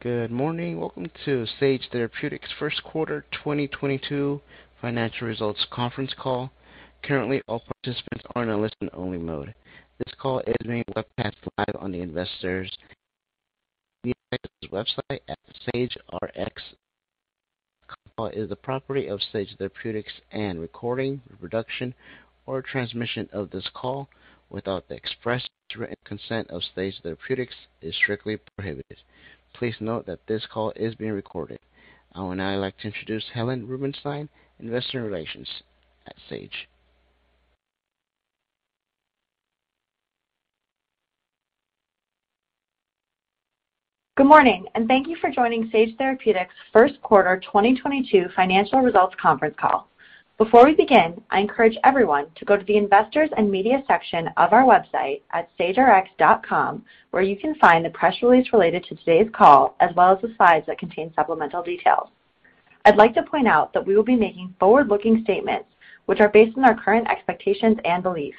Good morning. Welcome to Sage Therapeutics' First Quarter 2022 Financial Results Conference Call. Currently, all participants are in a listen-only mode. This call is being webcast live on the investor's website at sagerx.com. This call is the property of Sage Therapeutics, and recording, reproduction, or transmission of this call without the express written consent of Sage Therapeutics is strictly prohibited. Please note that this call is being recorded. I would now like to introduce Helen Rubinstein, Investor Relations at Sage. Good morning, and thank you for joining Sage Therapeutics' First Quarter 2022 Financial Results Conference Call. Before we begin, I encourage everyone to go to the Investors and Media section of our website at sagerx.com, where you can find the press release related to today's call, as well as the slides that contain supplemental details. I'd like to point out that we will be making forward-looking statements, which are based on our current expectations and beliefs.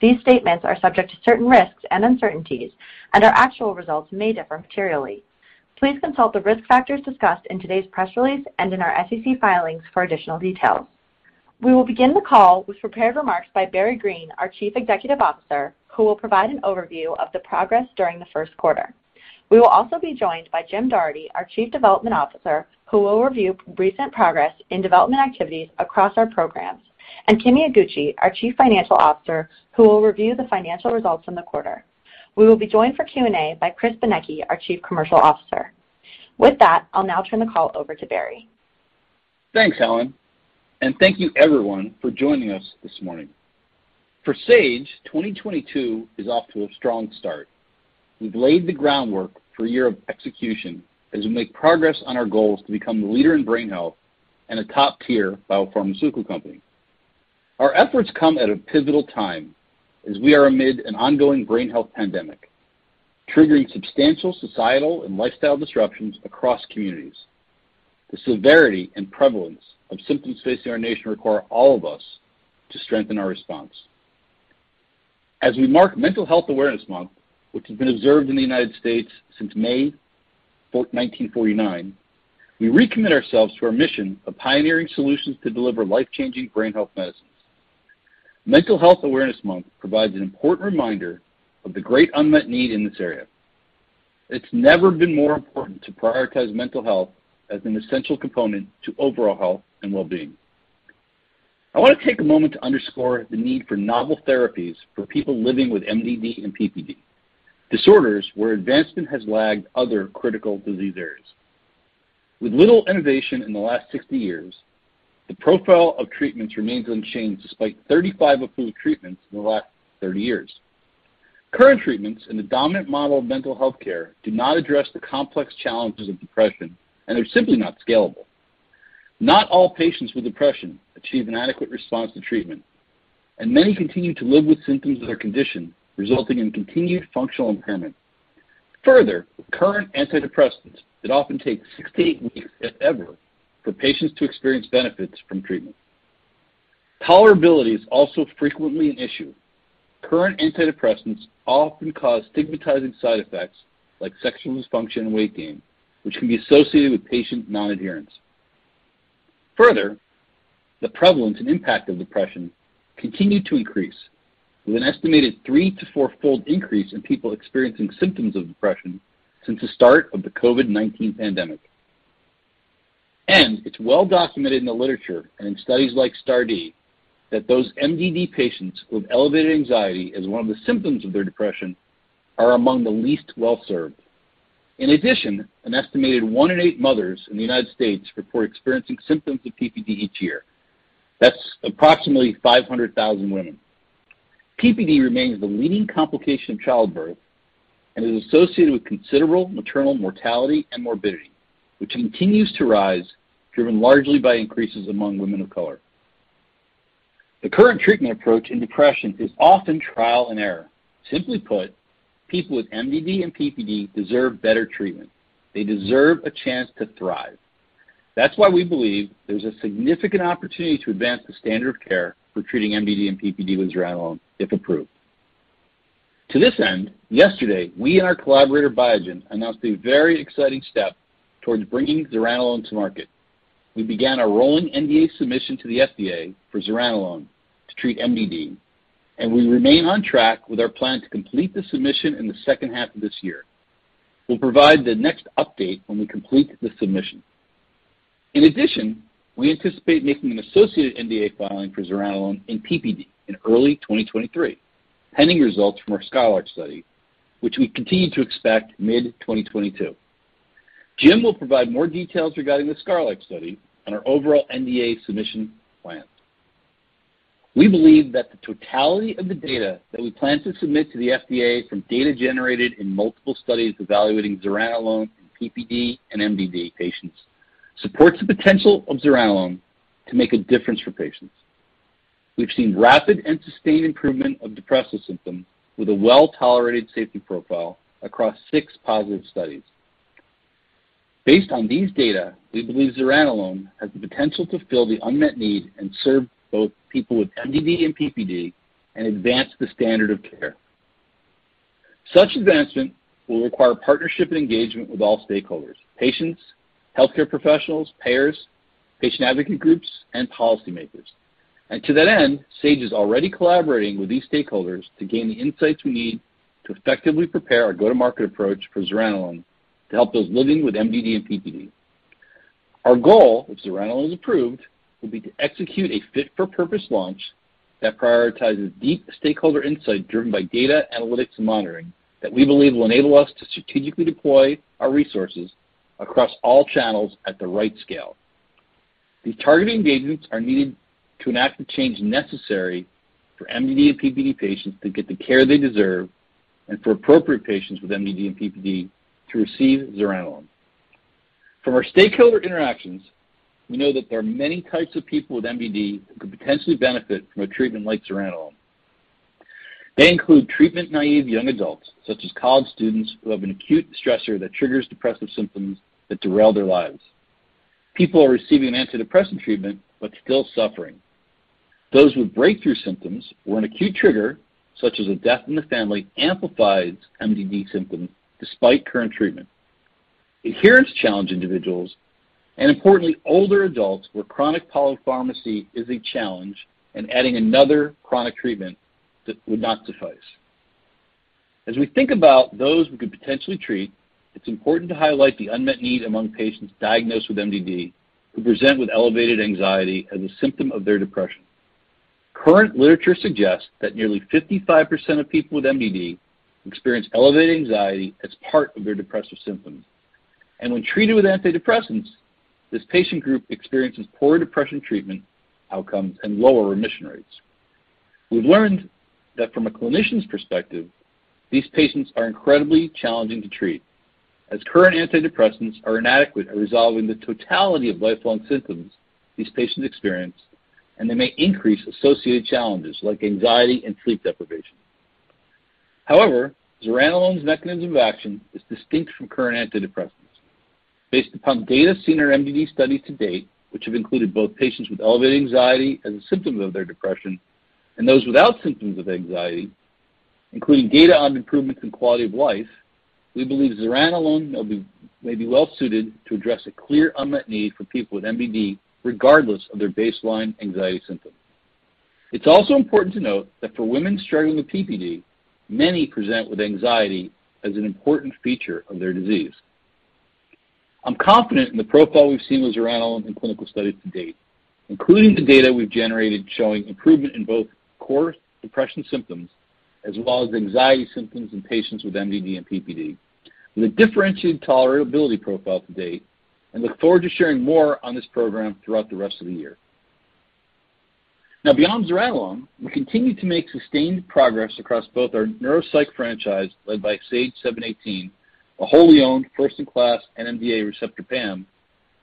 These statements are subject to certain risks and uncertainties, and our actual results may differ materially. Please consult the risk factors discussed in today's press release and in our SEC filings for additional details. We will begin the call with prepared remarks by Barry Greene, our Chief Executive Officer, who will provide an overview of the progress during the first quarter. We will also be joined by Jim Doherty, our Chief Development Officer, who will review recent progress in development activities across our programs, and Kimi Iguchi, our Chief Financial Officer, who will review the financial results from the quarter. We will be joined for Q&A by Chris Benecchi, our Chief Commercial Officer. With that, I'll now turn the call over to Barry. Thanks, Helen. Thank you everyone for joining us this morning. For Sage, 2022 is off to a strong start. We've laid the groundwork for a year of execution as we make progress on our goals to become the leader in brain health and a top-tier biopharmaceutical company. Our efforts come at a pivotal time as we are amid an ongoing brain health pandemic, triggering substantial societal and lifestyle disruptions across communities. The severity and prevalence of symptoms facing our nation require all of us to strengthen our response. As we mark Mental Health Awareness Month, which has been observed in the U.S. Since May 4th, 1949, we recommit ourselves to our mission of pioneering solutions to deliver life-changing brain health medicines. Mental Health Awareness Month provides an important reminder of the great unmet need in this area. It's never been more important to prioritize mental health as an essential component to overall health and well-being. I want to take a moment to underscore the need for novel therapies for people living with MDD and PPD, disorders where advancement has lagged other critical disease areas. With little innovation in the last 60 years, the profile of treatments remains unchanged despite 35 approved treatments in the last 30 years. Current treatments in the dominant model of mental health care do not address the complex challenges of depression, and they're simply not scalable. Not all patients with depression achieve an adequate response to treatment, and many continue to live with symptoms of their condition, resulting in continued functional impairment. Further, with current antidepressants, it often takes six to eight weeks, if ever, for patients to experience benefits from treatment. Tolerability is also frequently an issue. Current antidepressants often cause stigmatizing side effects like sexual dysfunction and weight gain, which can be associated with patient non-adherence. Further, the prevalence and impact of depression continue to increase, with an estimated three to four fold increase in people experiencing symptoms of depression since the start of the COVID-19 pandemic. It's well documented in the literature and in studies like STAR*D that those MDD patients with elevated anxiety as one of the symptoms of their depression are among the least well-served. In addition, an estimated one in eight mothers in the U.S. Report experiencing symptoms of PPD each year. That's approximately 500,000 women. PPD remains the leading complication of childbirth and is associated with considerable maternal mortality and morbidity, which continues to rise, driven largely by increases among women of color. The current treatment approach in depression is often trial and error. Simply put, people with MDD and PPD deserve better treatment. They deserve a chance to thrive. That's why we believe there's a significant opportunity to advance the standard of care for treating MDD and PPD with zuranolone, if approved. To this end, yesterday, we and our collaborator, Biogen, announced a very exciting step towards bringing zuranolone to market. We began a rolling NDA submission to the FDA for zuranolone to treat MDD, and we remain on track with our plan to complete the submission in the second half of this year. We'll provide the next update when we complete the submission. In addition, we anticipate making an associated NDA filing for zuranolone in PPD in early 2023, pending results from our SKYLARK Study, which we continue to expect mid-2022. Jim will provide more details regarding the SKYLARK Study and our overall NDA submission plan. We believe that the totality of the data that we plan to submit to the FDA from data generated in multiple studies evaluating zuranolone in PPD and MDD patients supports the potential of zuranolone to make a difference for patients. We've seen rapid and sustained improvement of depressive symptoms with a well-tolerated safety profile across six positive studies. Based on these data, we believe zuranolone has the potential to fill the unmet need and serve both people with MDD and PPD and advance the standard of care. Such advancement will require partnership and engagement with all stakeholders, patients, healthcare professionals, payers, patient advocate groups, and policymakers. To that end, Sage is already collaborating with these stakeholders to gain the insights we need to effectively prepare our go-to-market approach for zuranolone to help those living with MDD and PPD. Our goal, if zuranolone is approved, will be to execute a fit-for-purpose launch that prioritizes deep stakeholder insight driven by data analytics and monitoring that we believe will enable us to strategically deploy our resources across all channels at the right scale. These targeted engagements are needed to enact the change necessary for MDD and PPD patients to get the care they deserve and for appropriate patients with MDD and PPD to receive zuranolone. From our stakeholder interactions, we know that there are many types of people with MDD who could potentially benefit from a treatment like zuranolone. They include treatment-naive young adults, such as college students who have an acute stressor that triggers depressive symptoms that derail their lives. People are receiving antidepressant treatment but still suffering. Those with breakthrough symptoms or an acute trigger, such as a death in the family, amplifies MDD symptoms despite current treatment. Adherence challenge individuals and importantly, older adults where chronic polypharmacy is a challenge and adding another chronic treatment that would not suffice. As we think about those we could potentially treat, it's important to highlight the unmet need among patients diagnosed with MDD who present with elevated anxiety as a symptom of their depression. Current literature suggests that nearly 55% of people with MDD experience elevated anxiety as part of their depressive symptoms. When treated with antidepressants, this patient group experiences poor depression treatment outcomes and lower remission rates. We've learned that from a clinician's perspective, these patients are incredibly challenging to treat, as current antidepressants are inadequate at resolving the totality of lifelong symptoms these patients experience, and they may increase associated challenges like anxiety and sleep deprivation. However, zuranolone's mechanism of action is distinct from current antidepressants. Based upon data seen in our MDD studies to date, which have included both patients with elevated anxiety as a symptom of their depression and those without symptoms of anxiety, including data on improvements in quality of life, we believe zuranolone may be well-suited to address a clear unmet need for people with MDD regardless of their baseline anxiety symptoms. It's also important to note that for women struggling with PPD, many present with anxiety as an important feature of their disease. I'm confident in the profile we've seen with zuranolone in clinical studies to date, including the data we've generated showing improvement in both core depression symptoms as well as anxiety symptoms in patients with MDD and PPD, with a differentiated tolerability profile to date, and look forward to sharing more on this program throughout the rest of the year. Now beyond zuranolone, we continue to make sustained progress across both our neuropsych franchise, led by SAGE-718, a wholly owned first-in-class NMDA receptor PAM,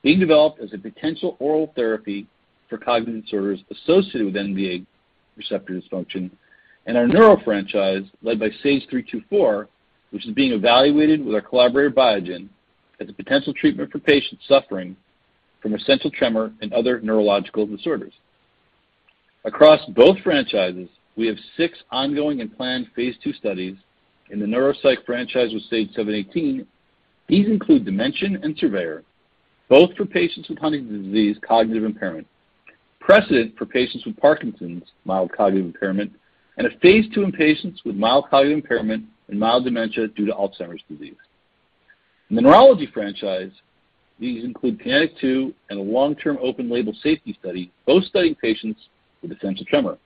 being developed as a potential oral therapy for cognitive disorders associated with NMDA receptor dysfunction, and our neuro franchise led by SAGE-324, which is being evaluated with our collaborator Biogen as a potential treatment for patients suffering from essential tremor and other neurological disorders. Across both franchises, we have six ongoing and planned phase II studies. In the neuropsych franchise with SAGE-718, these include DIMENSION and SURVEYOR, both for patients with Huntington's disease cognitive impairment, PRECEDENT for patients with Parkinson's mild cognitive impairment, and a phase II in patients with mild cognitive impairment and mild dementia due to Alzheimer's disease. In the neurology franchise, these include KINETIC 2 and a long-term open-label safety study, both studying patients with essential tremor.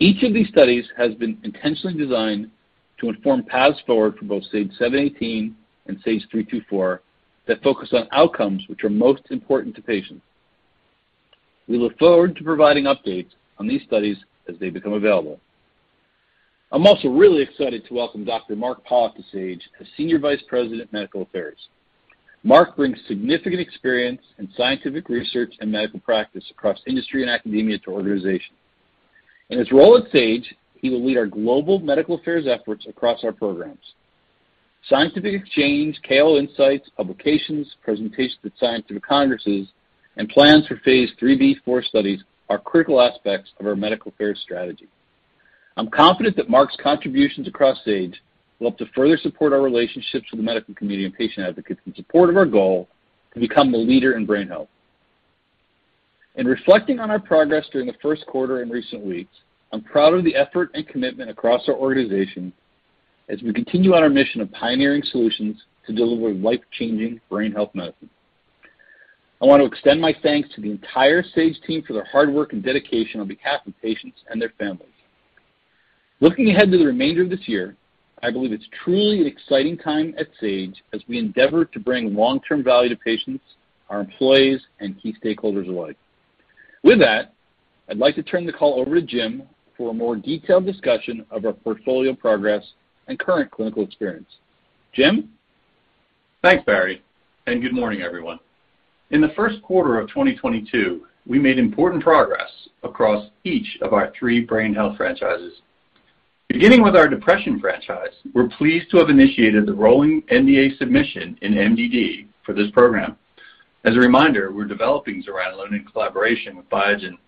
Each of these studies has been intentionally designed to inform paths forward for both SAGE-718 and SAGE-324 that focus on outcomes which are most important to patients. We look forward to providing updates on these studies as they become available. I'm also really excited to welcome Dr. Mark Pollack to Sage as Senior Vice President, Medical Affairs. Mark brings significant experience in scientific research and medical practice across industry and academia to our organization. In his role at Sage, he will lead our global medical affairs efforts across our programs. Scientific exchange, KOL insights, publications, presentations at scientific congresses, and plans for phase IIIb/IV studies are critical aspects of our medical affairs strategy. I'm confident that Mark's contributions across Sage will help to further support our relationships with the medical community and patient advocates in support of our goal to become the leader in brain health. In reflecting on our progress during the first quarter in recent weeks, I'm proud of the effort and commitment across our organization as we continue on our mission of pioneering solutions to deliver life-changing brain health medicine. I want to extend my thanks to the entire Sage team for their hard work and dedication on behalf of patients and their families. Looking ahead to the remainder of this year, I believe it's truly an exciting time at Sage as we endeavor to bring long-term value to patients, our employees, and key stakeholders alike. With that, I'd like to turn the call over to Jim for a more detailed discussion of our portfolio progress and current clinical experience. Jim? Thanks, Barry, and good morning, everyone. In the first quarter of 2022, we made important progress across each of our three brain health franchises. Beginning with our depression franchise, we're pleased to have initiated the rolling NDA submission in MDD for this program. As a reminder, we're developing zuranolone in collaboration with Biogen.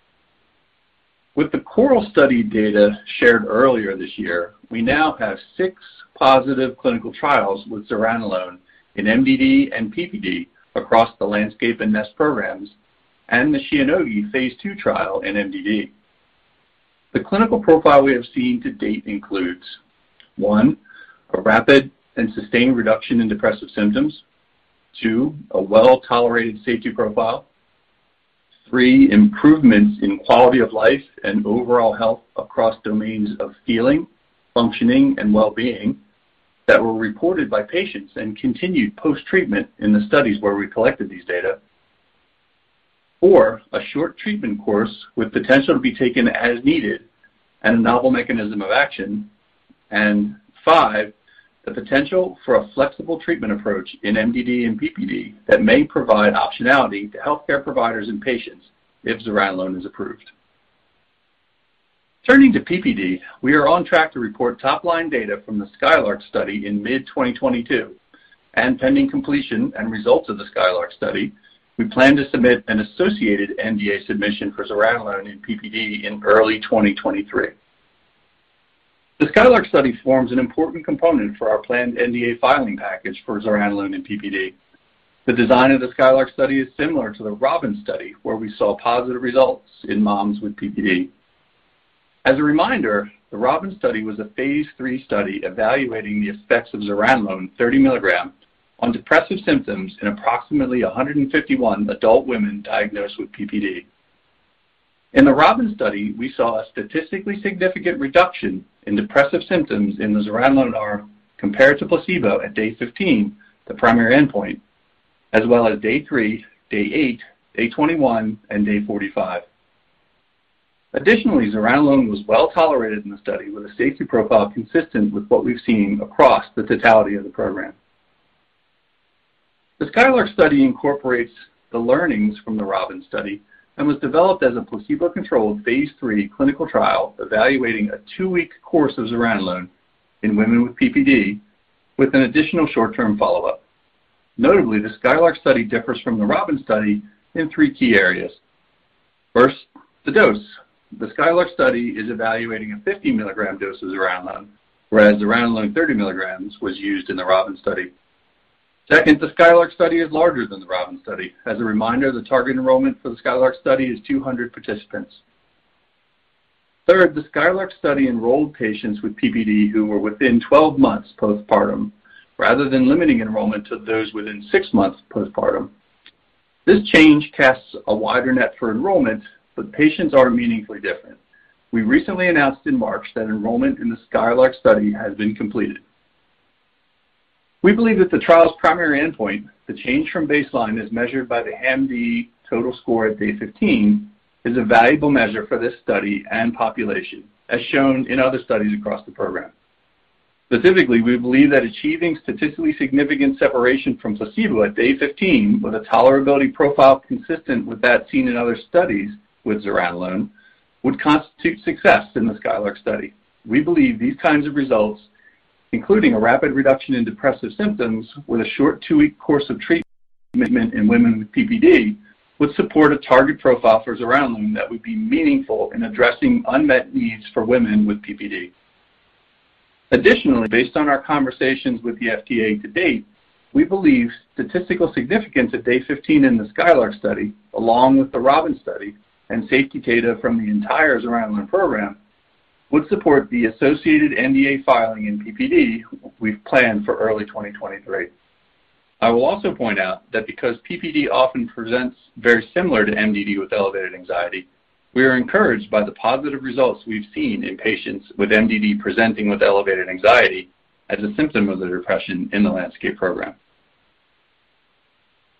With the CORAL study data shared earlier this year, we now have six positive clinical trials with zuranolone in MDD and PPD across the LANDSCAPE and NEST programs and the Shionogi phase II trial in MDD. The clinical profile we have seen to date includes, one, a rapid and sustained reduction in depressive symptoms. Two, a well-tolerated safety profile. Three, improvements in quality of life and overall health across domains of feeling, functioning, and well-being that were reported by patients and continued post-treatment in the studies where we collected these data. Four, a short treatment course with potential to be taken as needed and a novel mechanism of action. Five, the potential for a flexible treatment approach in MDD and PPD that may provide optionality to healthcare providers and patients if zuranolone is approved. Turning to PPD, we are on track to report top-line data from the Skylark study in mid-2022, and pending completion and results of the Skylark study, we plan to submit an associated NDA submission for zuranolone in PPD in early 2023. The Skylark study forms an important component for our planned NDA filing package for zuranolone in PPD. The design of the Skylark study is similar to the ROBIN study, where we saw positive results in moms with PPD. As a reminder, the ROBIN study was a phase III study evaluating the effects of zuranolone 30 mg on depressive symptoms in approximately 151 adult women diagnosed with PPD. In the ROBIN study, we saw a statistically significant reduction in depressive symptoms in the zuranolone arm compared to placebo at day 15, the primary endpoint, as well as day three, day eight, day 21, and day 45. Additionally, zuranolone was well-tolerated in the study with a safety profile consistent with what we've seen across the totality of the program. The SKYLARK study incorporates the learnings from the ROBIN study and was developed as a placebo-controlled phase III clinical trial evaluating a two-week course of zuranolone in women with PPD with an additional short-term follow-up. Notably, the SKYLARK study differs from the ROBIN study in three key areas. First, the dose. The Skylark study is evaluating a 50-mg dose of zuranolone, whereas zuranolone 30 mg was used in the ROBIN Study. Second, the Skylark study is larger than the ROBIN study. As a reminder, the target enrollment for the Skylark study is 200 participants. Third, the Skylark study enrolled patients with PPD who were within 12 months postpartum, rather than limiting enrollment to those within six months postpartum. This change casts a wider net for enrollment, but patients are meaningfully different. We recently announced in March that enrollment in the Skylark study has been completed. We believe that the trial's primary endpoint, the change from baseline, as measured by the HAM-D total score at day 15, is a valuable measure for this study and population, as shown in other studies across the program. Specifically, we believe that achieving statistically significant separation from placebo at day 15 with a tolerability profile consistent with that seen in other studies with zuranolone would constitute success in the Skylark study. We believe these kinds of results, including a rapid reduction in depressive symptoms with a short two-week course of treatment and commitment in women with PPD, would support a target profile for zuranolone that would be meaningful in addressing unmet needs for women with PPD. Additionally, based on our conversations with the FDA to date, we believe statistical significance at day 15 in the Skylark study, along with the ROBIN Study and safety data from the entire zuranolone program, would support the associated NDA filing in PPD we've planned for early 2023. I will also point out that because PPD often presents very similar to MDD with elevated anxiety, we are encouraged by the positive results we've seen in patients with MDD presenting with elevated anxiety as a symptom of their depression in the Landscape program.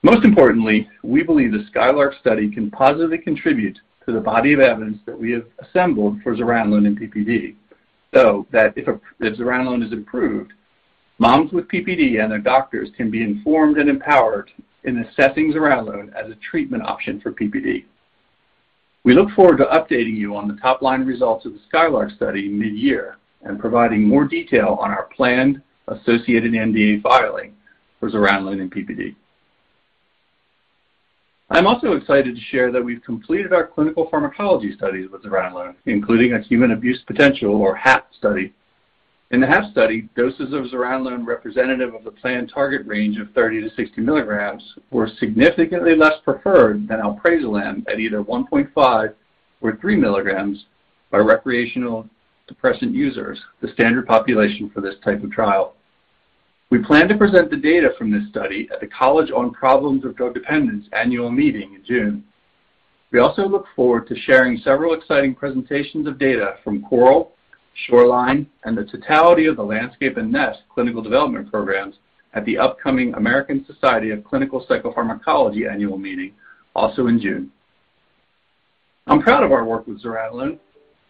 Most importantly, we believe the Skylark study can positively contribute to the body of evidence that we have assembled for zuranolone in PPD, so that if zuranolone is approved, moms with PPD and their doctors can be informed and empowered in assessing zuranolone as a treatment option for PPD. We look forward to updating you on the top-line results of the Skylark study mid-year and providing more detail on our planned associated NDA filing for zuranolone in PPD. I'm also excited to share that we've completed our clinical pharmacology studies with zuranolone, including a human abuse potential or HAP study. In the HAP study, doses of zuranolone representative of the planned target range of 30-60 mg were significantly less preferred than alprazolam at either 1.5 or 3 mg by recreational depressant users, the standard population for this type of trial. We plan to present the data from this study at the College on Problems of Drug Dependence annual meeting in June. We also look forward to sharing several exciting presentations of data from CORAL, SHORELINE, and the totality of the LANDSCAPE and NEST clinical development programs at the upcoming American Society of Clinical Psychopharmacology annual meeting, also in June. I'm proud of our work with zuranolone,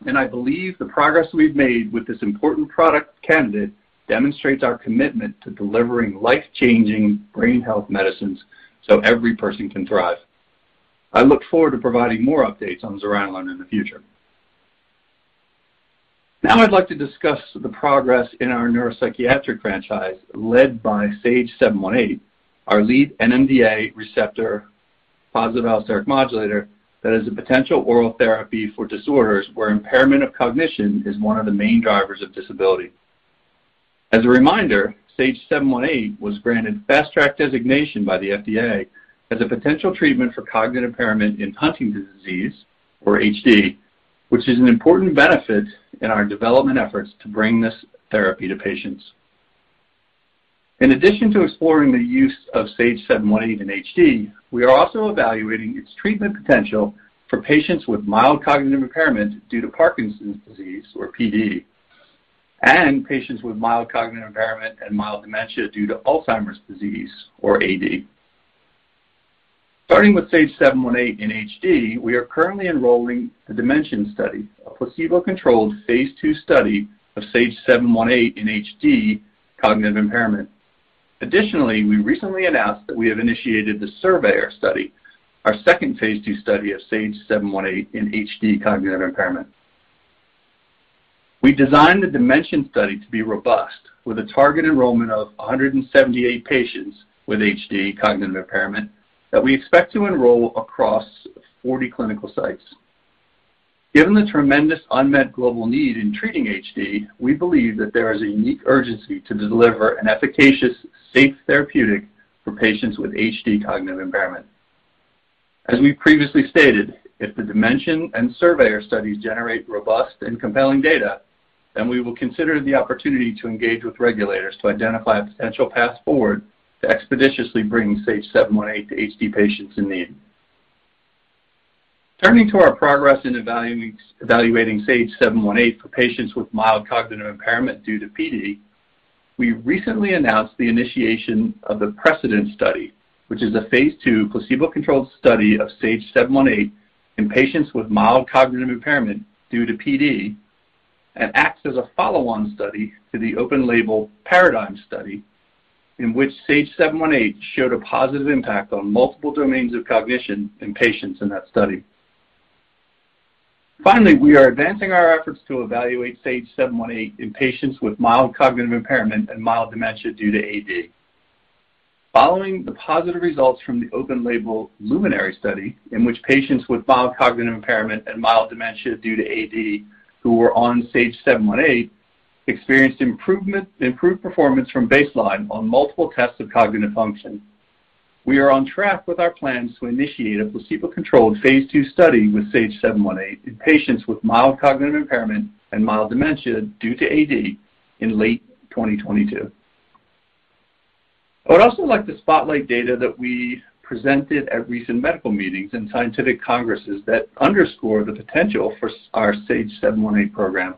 and I believe the progress we've made with this important product candidate demonstrates our commitment to delivering life-changing brain health medicines so every person can thrive. I look forward to providing more updates on zuranolone in the future. Now I'd like to discuss the progress in our neuropsychiatric franchise led by SAGE-718, our lead NMDA receptor positive allosteric modulator that is a potential oral therapy for disorders where impairment of cognition is one of the main drivers of disability. As a reminder, SAGE-718 was granted Fast Track designation by the FDA as a potential treatment for cognitive impairment in Huntington's disease, or HD, which is an important benefit in our development efforts to bring this therapy to patients. In addition to exploring the use of SAGE-718 in HD, we are also evaluating its treatment potential for patients with mild cognitive impairment due to Parkinson's disease, or PD, and patients with mild cognitive impairment and mild dementia due to Alzheimer's disease or AD. Starting with SAGE-718 in HD, we are currently enrolling the DIMENSION study, a placebo-controlled phase II study of SAGE-718 in HD cognitive impairment. Additionally, we recently announced that we have initiated the SURVEYOR study, our second phase II study of SAGE-718 in HD cognitive impairment. We designed the DIMENSION study to be robust with a target enrollment of 178 patients with HD cognitive impairment that we expect to enroll across 40 clinical sites. Given the tremendous unmet global need in treating HD, we believe that there is a unique urgency to deliver an efficacious, safe therapeutic for patients with HD cognitive impairment. As we previously stated, if the DIMENSION and SURVEYOR studies generate robust and compelling data, then we will consider the opportunity to engage with regulators to identify a potential path forward to expeditiously bringing SAGE-718 to HD patients in need. Turning to our progress in evaluating SAGE-718 for patients with mild cognitive impairment due to PD, we recently announced the initiation of the PRECEDENT study, which is a phase II placebo-controlled study of SAGE-718 in patients with mild cognitive impairment due to PD and acts as a follow-on study to the open label PARADIGM study in which SAGE-718 showed a positive impact on multiple domains of cognition in patients in that study. Finally, we are advancing our efforts to evaluate SAGE-718 in patients with mild cognitive impairment and mild dementia due to AD. Following the positive results from the open label LUMINARY study in which patients with mild cognitive impairment and mild dementia due to AD who were on SAGE-718 experienced improved performance from baseline on multiple tests of cognitive function. We are on track with our plans to initiate a placebo-controlled phase II study with SAGE-718 in patients with mild cognitive impairment and mild dementia due to AD in late 2022. I would also like to spotlight data that we presented at recent medical meetings and scientific congresses that underscore the potential for our SAGE-718 program.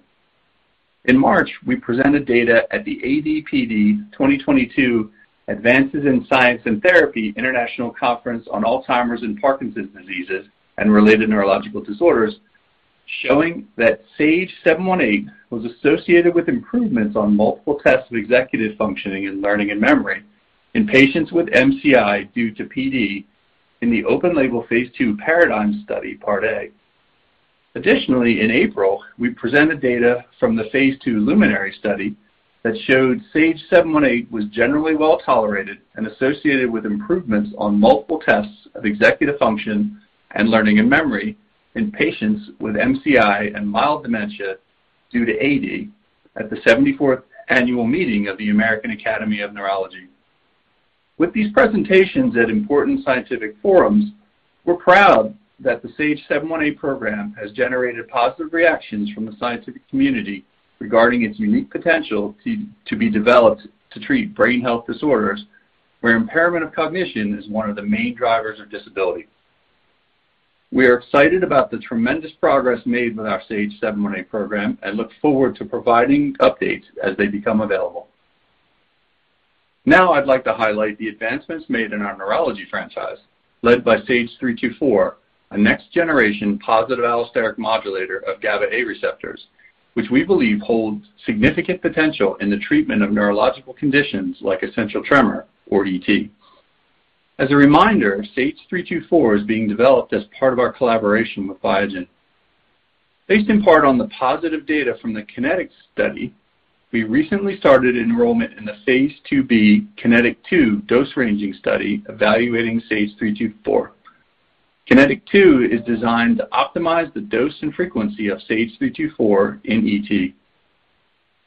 In March, we presented data at the AD/PD 2022 Advances in Science and Therapy International Conference on Alzheimer's and Parkinson's Diseases and Related Neurological Disorders, showing that SAGE-718 was associated with improvements on multiple tests of executive functioning in learning and memory in patients with MCI due to PD in the open-label phase II PARADIGM study, part A. Additionally, in April, we presented data from the phase II LUMINARY study that showed SAGE-718 was generally well-tolerated and associated with improvements on multiple tests of executive function and learning and memory in patients with MCI and mild dementia due to AD at the 74th annual meeting of the American Academy of Neurology. With these presentations at important scientific forums, we're proud that the SAGE-718 program has generated positive reactions from the scientific community regarding its unique potential to be developed to treat brain health disorders, where impairment of cognition is one of the main drivers of disability. We are excited about the tremendous progress made with our SAGE-718 program and look forward to providing updates as they become available. Now I'd like to highlight the advancements made in our neurology franchise led by SAGE-324, a next generation positive allosteric modulator of GABA A receptors, which we believe holds significant potential in the treatment of neurological conditions like essential tremor or ET. As a reminder, SAGE-324 is being developed as part of our collaboration with Biogen. Based in part on the positive data from the KINETIC study, we recently started enrollment in the phase IIb KINETIC 2 dose ranging study evaluating SAGE-324. KINETIC 2 is designed to optimize the dose and frequency of SAGE-324 in ET.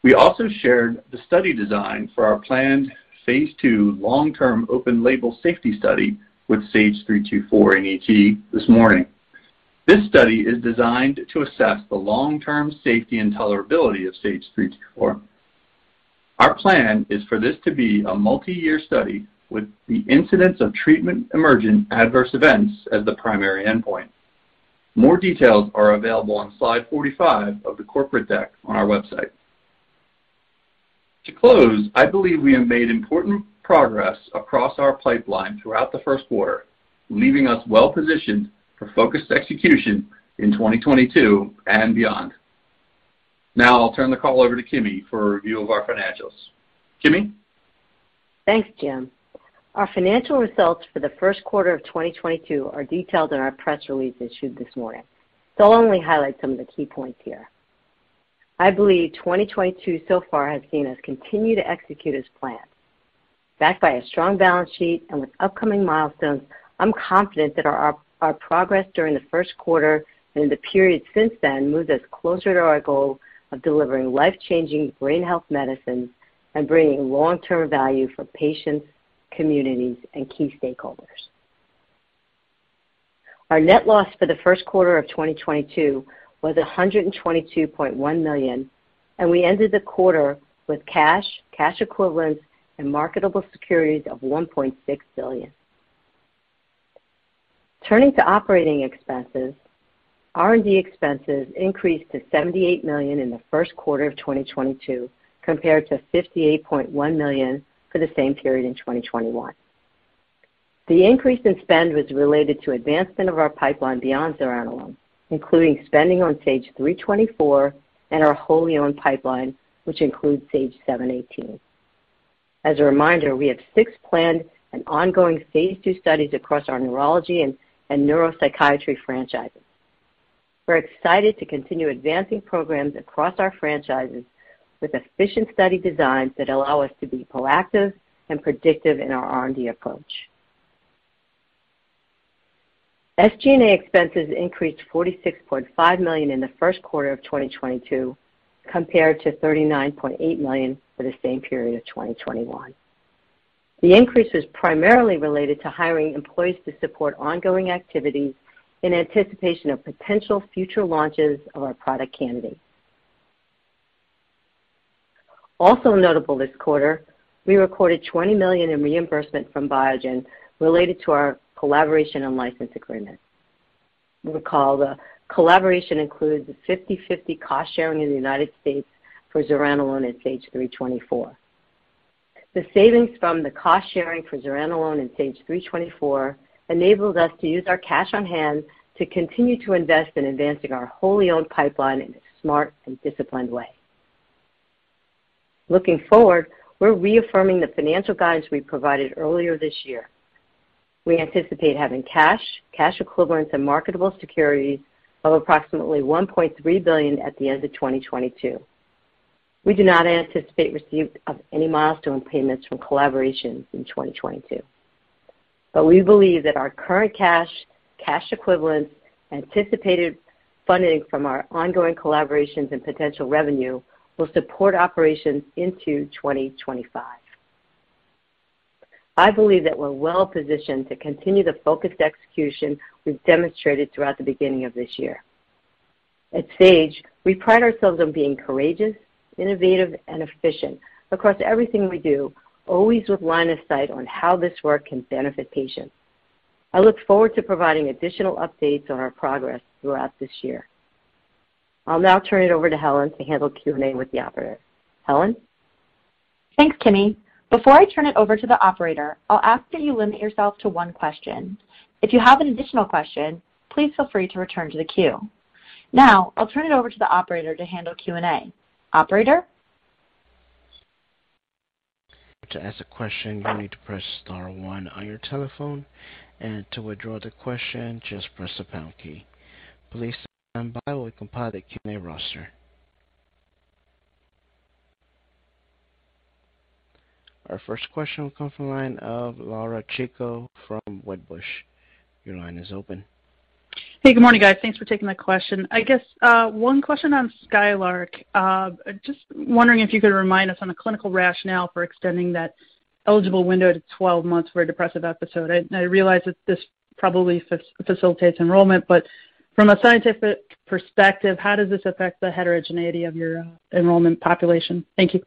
We also shared the study design for our planned phase II long-term open label safety study with SAGE-324 in ET this morning. This study is designed to assess the long-term safety and tolerability of SAGE-324. Our plan is for this to be a multiyear study with the incidence of treatment-emergent adverse events as the primary endpoint. More details are available on slide 45 of the corporate deck on our website. To close, I believe we have made important progress across our pipeline throughout the first quarter, leaving us well positioned for focused execution in 2022 and beyond. Now I'll turn the call over to Kimi for a review of our financials. Kimi? Thanks, Jim. Our financial results for the first quarter of 2022 are detailed in our press release issued this morning. I'll only highlight some of the key points here. I believe 2022 so far has seen us continue to execute as planned. Backed by a strong balance sheet and with upcoming milestones, I'm confident that our progress during the first quarter and in the period since then moves us closer to our goal of delivering life-changing brain health medicines and bringing long-term value for patients, communities, and key stakeholders. Our net loss for the first quarter of 2022 was $122.1 million, and we ended the quarter with cash equivalents, and marketable securities of $1.6 billion. Turning to operating expenses, R&D expenses increased to $78 million in the first quarter of 2022 compared to $58.1 million for the same period in 2021. The increase in spend was related to advancement of our pipeline beyond zuranolone, including spending on SAGE-324 and our wholly owned pipeline, which includes SAGE-718. As a reminder, we have six planned and ongoing phase II studies across our neurology and neuropsychiatry franchises. We're excited to continue advancing programs across our franchises with efficient study designs that allow us to be proactive and predictive in our R&D approach. SG&A expenses increased $46.5 million in the first quarter of 2022 compared to $39.8 million for the same period of 2021. The increase was primarily related to hiring employees to support ongoing activities in anticipation of potential future launches of our product candidates. Also notable this quarter, we recorded $20 million in reimbursement from Biogen related to our collaboration and license agreement. You'll recall the collaboration includes a 50/50 cost-sharing in the U.S. For zuranolone at SAGE-324. The savings from the cost-sharing for zuranolone in SAGE-324 enables us to use our cash on hand to continue to invest in advancing our wholly owned pipeline in a smart and disciplined way. Looking forward, we're reaffirming the financial guidance we provided earlier this year. We anticipate having cash equivalents, and marketable securities of approximately $1.3 billion at the end of 2022. We do not anticipate receipt of any milestone payments from collaborations in 2022. We believe that our current cash equivalents, anticipated funding from our ongoing collaborations and potential revenue will support operations into 2025. I believe that we're well positioned to continue the focused execution we've demonstrated throughout the beginning of this year. At Sage, we pride ourselves on being courageous, innovative, and efficient across everything we do, always with line of sight on how this work can benefit patients. I look forward to providing additional updates on our progress throughout this year. I'll now turn it over to Helen to handle Q&A with the operator. Helen? Thanks, Kimi. Before I turn it over to the operator, I'll ask that you limit yourself to one question. If you have an additional question, please feel free to return to the queue. Now, I'll turn it over to the operator to handle Q&A. Operator? To ask a question, you need to press star one on your telephone, and to withdraw the question, just press the pound key. Please stand by while we compile the Q&A roster. Our first question will come from the line of Laura Chico from Wedbush. Your line is open. Hey, good morning, guys. Thanks for taking my question. I guess one question on Skylark. Just wondering if you could remind us on the clinical rationale for extending that eligible window to 12 months for a depressive episode. I realize that this probably facilitates enrollment, but from a scientific perspective, how does this affect the heterogeneity of your enrollment population? Thank you.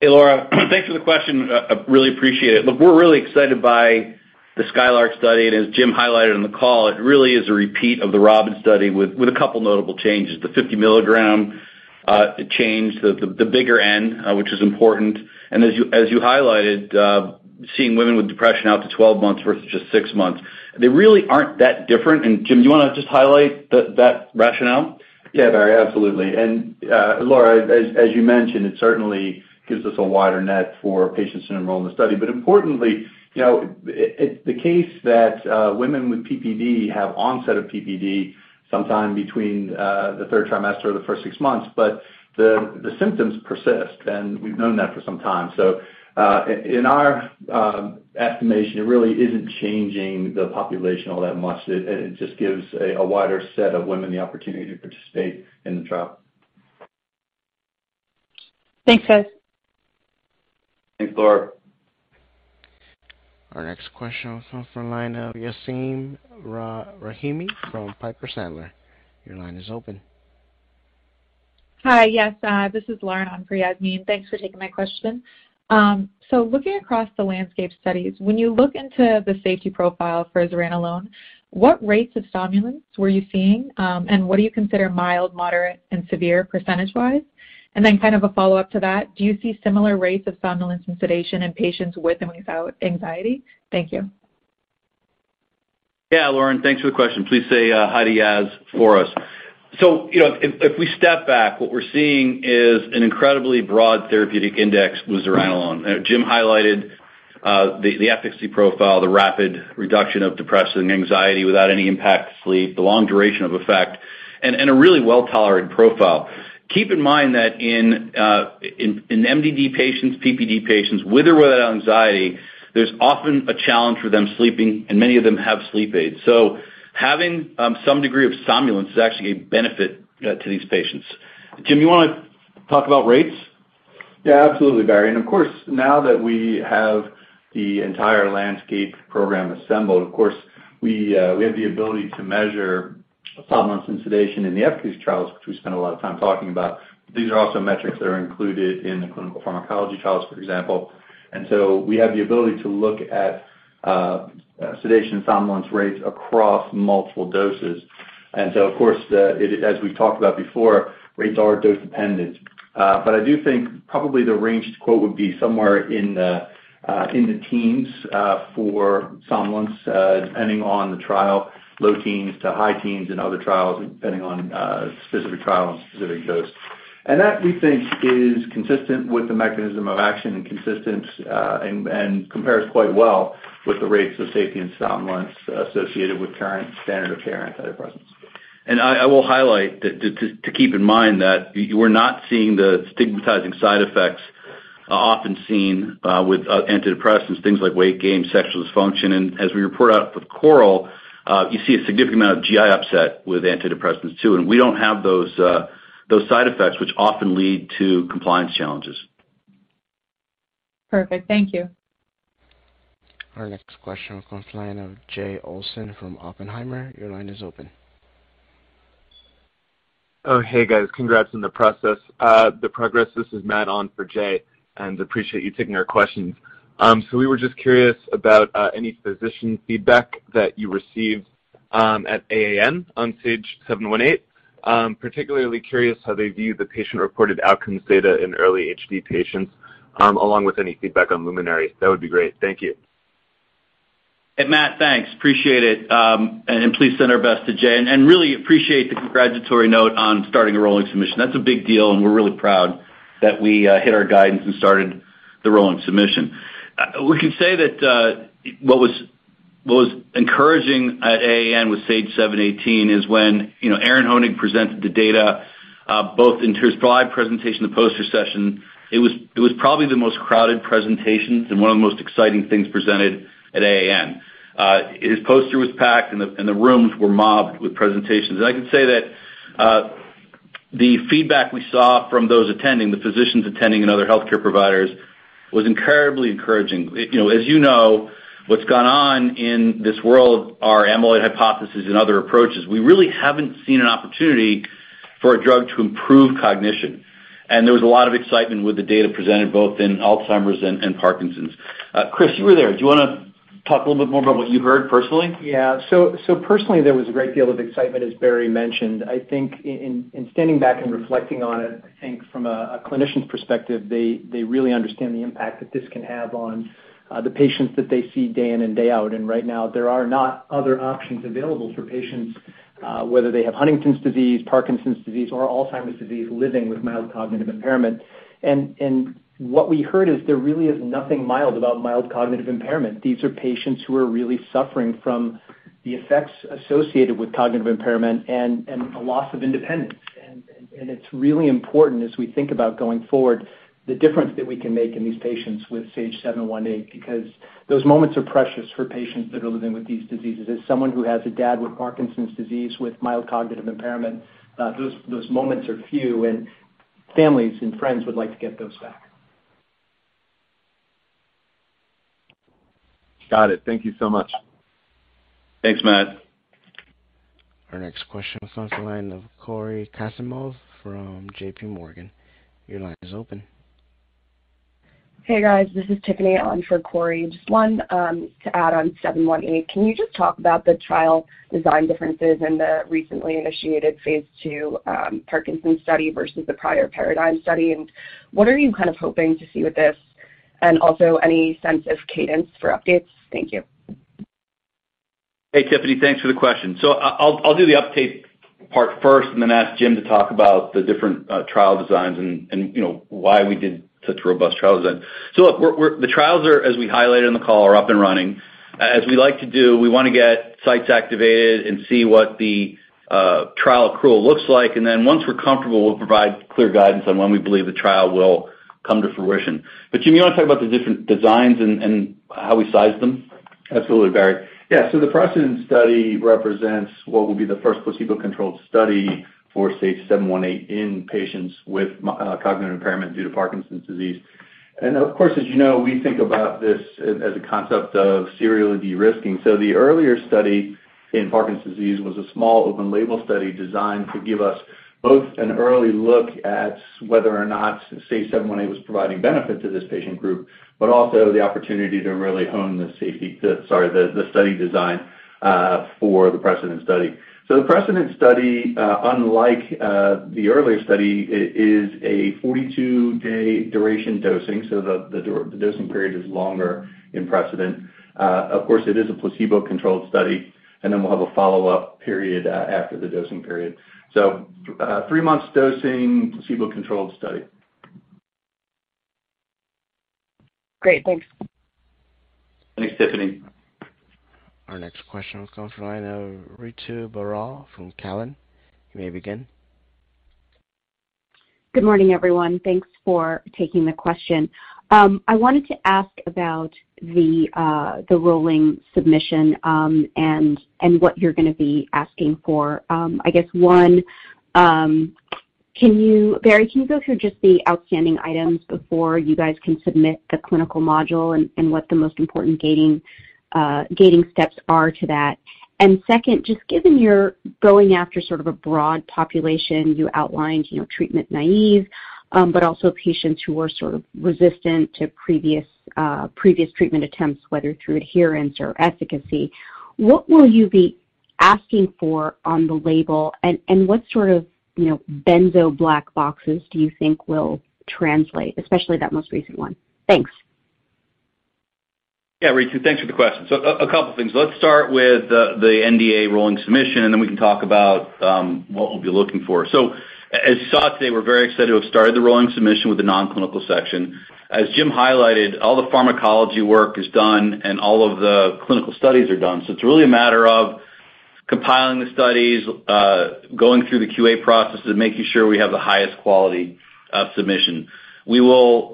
Hey, Laura. Thanks for the question. Really appreciate it. Look, we're really excited by the Skylark study. As Jim highlighted on the call, it really is a repeat of the ROBIN Study with a couple notable changes. The 50-mg change, the bigger N, which is important. As you highlighted, seeing women with depression out to 12 months versus just six months, they really aren't that different. Jim, do you wanna just highlight that rationale? Yeah, Barry, absolutely. Laura, as you mentioned, it certainly gives us a wider net for patients to enroll in the study. Importantly, you know, it's the case that women with PPD have onset of PPD sometime between the third trimester or the first six months, but the symptoms persist, and we've known that for some time. In our estimation, it really isn't changing the population all that much. It just gives a wider set of women the opportunity to participate in the trial. Thanks, guys. Thanks, Laura. Our next question will come from line of Yasmeen Rahimi from Piper Sandler. Your line is open. Hi. Yes, this is Lauren on for Yasmin. Thanks for taking my question. So looking across the landscape studies, when you look into the safety profile for zuranolone, what rates of somnolence were you seeing, and what do you consider mild, moderate, and severe percentage-wise? Kind of a follow-up to that, do you see similar rates of somnolence and sedation in patients with and without anxiety? Thank you. Yeah, Lauren, thanks for the question. Please say hi to Yaz for us. You know, if we step back, what we're seeing is an incredibly broad therapeutic index with zuranolone. Jim highlighted the efficacy profile, the rapid reduction of depression, anxiety without any impact to sleep, the long duration of effect and a really well-tolerated profile. Keep in mind that in MDD patients, PPD patients, with or without anxiety, there's often a challenge for them sleeping, and many of them have sleep aids. Having some degree of somnolence is actually a benefit to these patients. Jim, you wanna talk about rates? Yeah, absolutely, Barry. Of course, now that we have the entire LANDSCAPE program assembled, of course we have the ability to measure somnolence and sedation in the efficacy trials, which we spend a lot of time talking about. These are also metrics that are included in the clinical pharmacology trials, for example. We have the ability to look at sedation and somnolence rates across multiple doses. Of course, as we've talked about before, rates are dose dependent. I do think probably the range I'd quote would be somewhere in the teens for somnolence, depending on the trial, low teens to high teens in other trials, depending on specific trials and specific dose. That we think is consistent with the mechanism of action and consistent and compares quite well with the rates of safety and somnolence associated with current standard of care antidepressants. I will highlight that to keep in mind that you are not seeing the stigmatizing side effects often seen with antidepressants, things like weight gain, sexual dysfunction. As we report out with CORAL, you see a significant amount of GI upset with antidepressants too. We don't have those side effects which often lead to compliance challenges. Perfect. Thank you. Our next question comes from the line of Jay Olson from Oppenheimer. Your line is open. Oh, hey guys. Congrats on the progress. This is Matt on for Jay, and appreciate you taking our questions. We were just curious about any physician feedback that you received at AAN on SAGE-718. Particularly curious how they view the patient-reported outcomes data in early HD patients, along with any feedback on LUMINARY. That would be great. Thank you. Hey, Matt. Thanks. Appreciate it. And please send our best to Jay, and really appreciate the congratulatory note on starting a rolling submission. That's a big deal, and we're really proud that we hit our guidance and started the rolling submission. We can say that what was encouraging at AAN with SAGE-718 is when, you know, Aaron Koenig presented the data, both in terms of live presentation, the poster session, it was probably the most crowded presentations and one of the most exciting things presented at AAN. His poster was packed and the rooms were mobbed with presentations. I can say that the feedback we saw from those attending, the physicians attending and other healthcare providers, was incredibly encouraging. You know, as you know, what's gone on in this world are amyloid hypothesis and other approaches. We really haven't seen an opportunity for a drug to improve cognition. There was a lot of excitement with the data presented both in Alzheimer's and Parkinson's. Chris, you were there. Do you wanna talk a little bit more about what you heard personally? Yeah. Personally, there was a great deal of excitement, as Barry mentioned. I think in standing back and reflecting on it, I think from a clinician's perspective, they really understand the impact that this can have on the patients that they see day in and day out. Right now there are not other options available for patients whether they have Huntington's disease, Parkinson's disease or Alzheimer's disease, living with mild cognitive impairment. What we heard is there really is nothing mild about mild cognitive impairment. These are patients who are really suffering from the effects associated with cognitive impairment and a loss of independence. It's really important as we think about going forward, the difference that we can make in these patients with SAGE-718, because those moments are precious for patients that are living with these diseases. As someone who has a dad with Parkinson's disease with mild cognitive impairment, those moments are few, and families and friends would like to get those back. Got it. Thank you so much. Thanks, Matt. Our next question comes from the line of Cory Kasimov from JPMorgan. Your line is open. Hey, guys. This is Tiffany on for Cory. Just one to add on SAGE-718, can you just talk about the trial design differences in the recently initiated phase II Parkinson's study versus the prior PARADIGM study? And what are you kind of hoping to see with this? And also any sense of cadence for updates? Thank you. Hey, Tiffany, thanks for the question. I'll do the update part first and then ask Jim to talk about the different trial designs and you know, why we did such robust trial design. Look, the trials are, as we highlighted on the call, up and running. As we like to do, we wanna get sites activated and see what the trial accrual looks like. Then once we're comfortable, we'll provide clear guidance on when we believe the trial will come to fruition. Jim, you wanna talk about the different designs and how we size them? Absolutely, Barry. Yeah. The PRECEDENT study represents what will be the first placebo-controlled study for SAGE-718 in patients with cognitive impairment due to Parkinson's disease. Of course, as you know, we think about this as a concept of serially de-risking. The earlier study in Parkinson's disease was a small open-label study designed to give us both an early look at whether or not SAGE-718 was providing benefit to this patient group, but also the opportunity to really hone the study design for the PRECEDENT study. The PRECEDENT study, unlike the earlier study, is a 42-day duration dosing, so the dosing period is longer in PRECEDENT. Of course, it is a placebo-controlled study, and then we'll have a follow-up period after the dosing period. Three months dosing, placebo-controlled study. Great. Thanks. Thanks, Tiffany. Our next question comes from the line of Ritu Baral from Cowen. You may begin. Good morning, everyone. Thanks for taking the question. I wanted to ask about the rolling submission, and what you're gonna be asking for. I guess one, can you, Barry, go through just the outstanding items before you guys can submit the clinical module and what the most important gating steps are to that? Second, just given you're going after sort of a broad population, you outlined, you know, treatment naive, but also patients who are sort of resistant to previous treatment attempts, whether through adherence or efficacy. What will you be asking for on the label? And what sort of, you know, benzo black boxes do you think will translate, especially that most recent one? Thanks. Yeah, Ritu, thanks for the question. A couple things. Let's start with the NDA rolling submission, and then we can talk about what we'll be looking for. As said, today, we're very excited to have started the rolling submission with the non-clinical section. As Jim highlighted, all the pharmacology work is done and all of the clinical studies are done. It's really a matter of compiling the studies, going through the QA processes and making sure we have the highest quality of submission. We will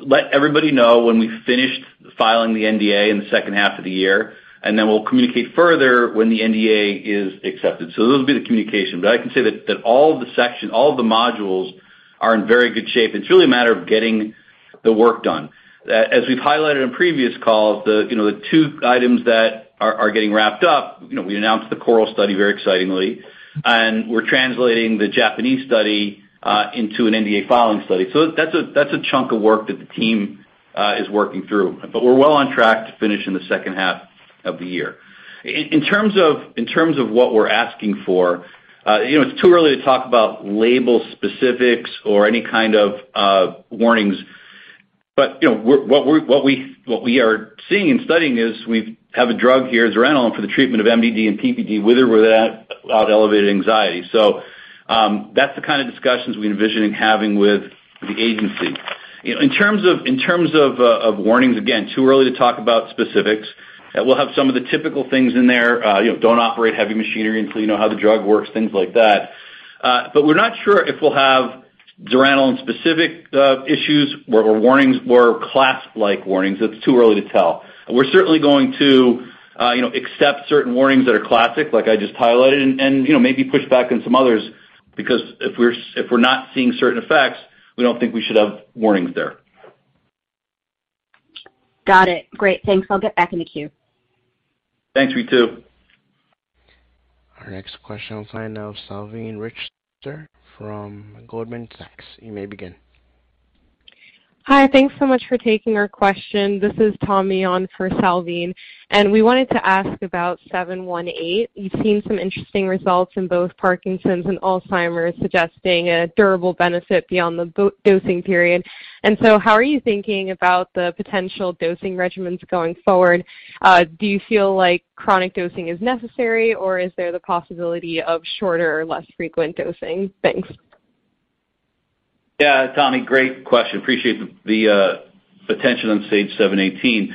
let everybody know when we've finished filing the NDA in the second half of the year, and then we'll communicate further when the NDA is accepted. Those will be the communication. I can say that all the section, all the modules are in very good shape. It's really a matter of getting the work done. As we've highlighted in previous calls, you know, the two items that are getting wrapped up, you know, we announced the CORAL study very excitingly, and we're translating the Japanese study into an NDA filing study. So that's a chunk of work that the team is working through. We're well on track to finish in the second half of the year. In terms of what we're asking for, you know, it's too early to talk about label specifics or any kind of warnings. You know, what we are seeing and studying is we have a drug here, zuranolone, for the treatment of MDD and PPD, whether with or without elevated anxiety. That's the kind of discussions we envision having with the agency. In terms of warnings, again, too early to talk about specifics. We'll have some of the typical things in there, you know, don't operate heavy machinery until you know how the drug works, things like that. But we're not sure if we'll have zuranolone specific issues or warnings or class-like warnings. It's too early to tell. We're certainly going to, you know, accept certain warnings that are classic, like I just highlighted, and you know, maybe push back on some others because if we're not seeing certain effects, we don't think we should have warnings there. Got it. Great. Thanks. I'll get back in the queue. Thanks, Ritu. Our next question comes from the line of Salveen Richter from Goldman Sachs. You may begin. Hi. Thanks so much for taking our question. This is Tommy on for Salveen, and we wanted to ask about SAGE-718. You've seen some interesting results in both Parkinson's and Alzheimer's, suggesting a durable benefit beyond the dosing period. How are you thinking about the potential dosing regimens going forward? Do you feel like chronic dosing is necessary, or is there the possibility of shorter or less frequent dosing? Thanks. Yeah, Tommy, great question. Appreciate the attention on SAGE-718.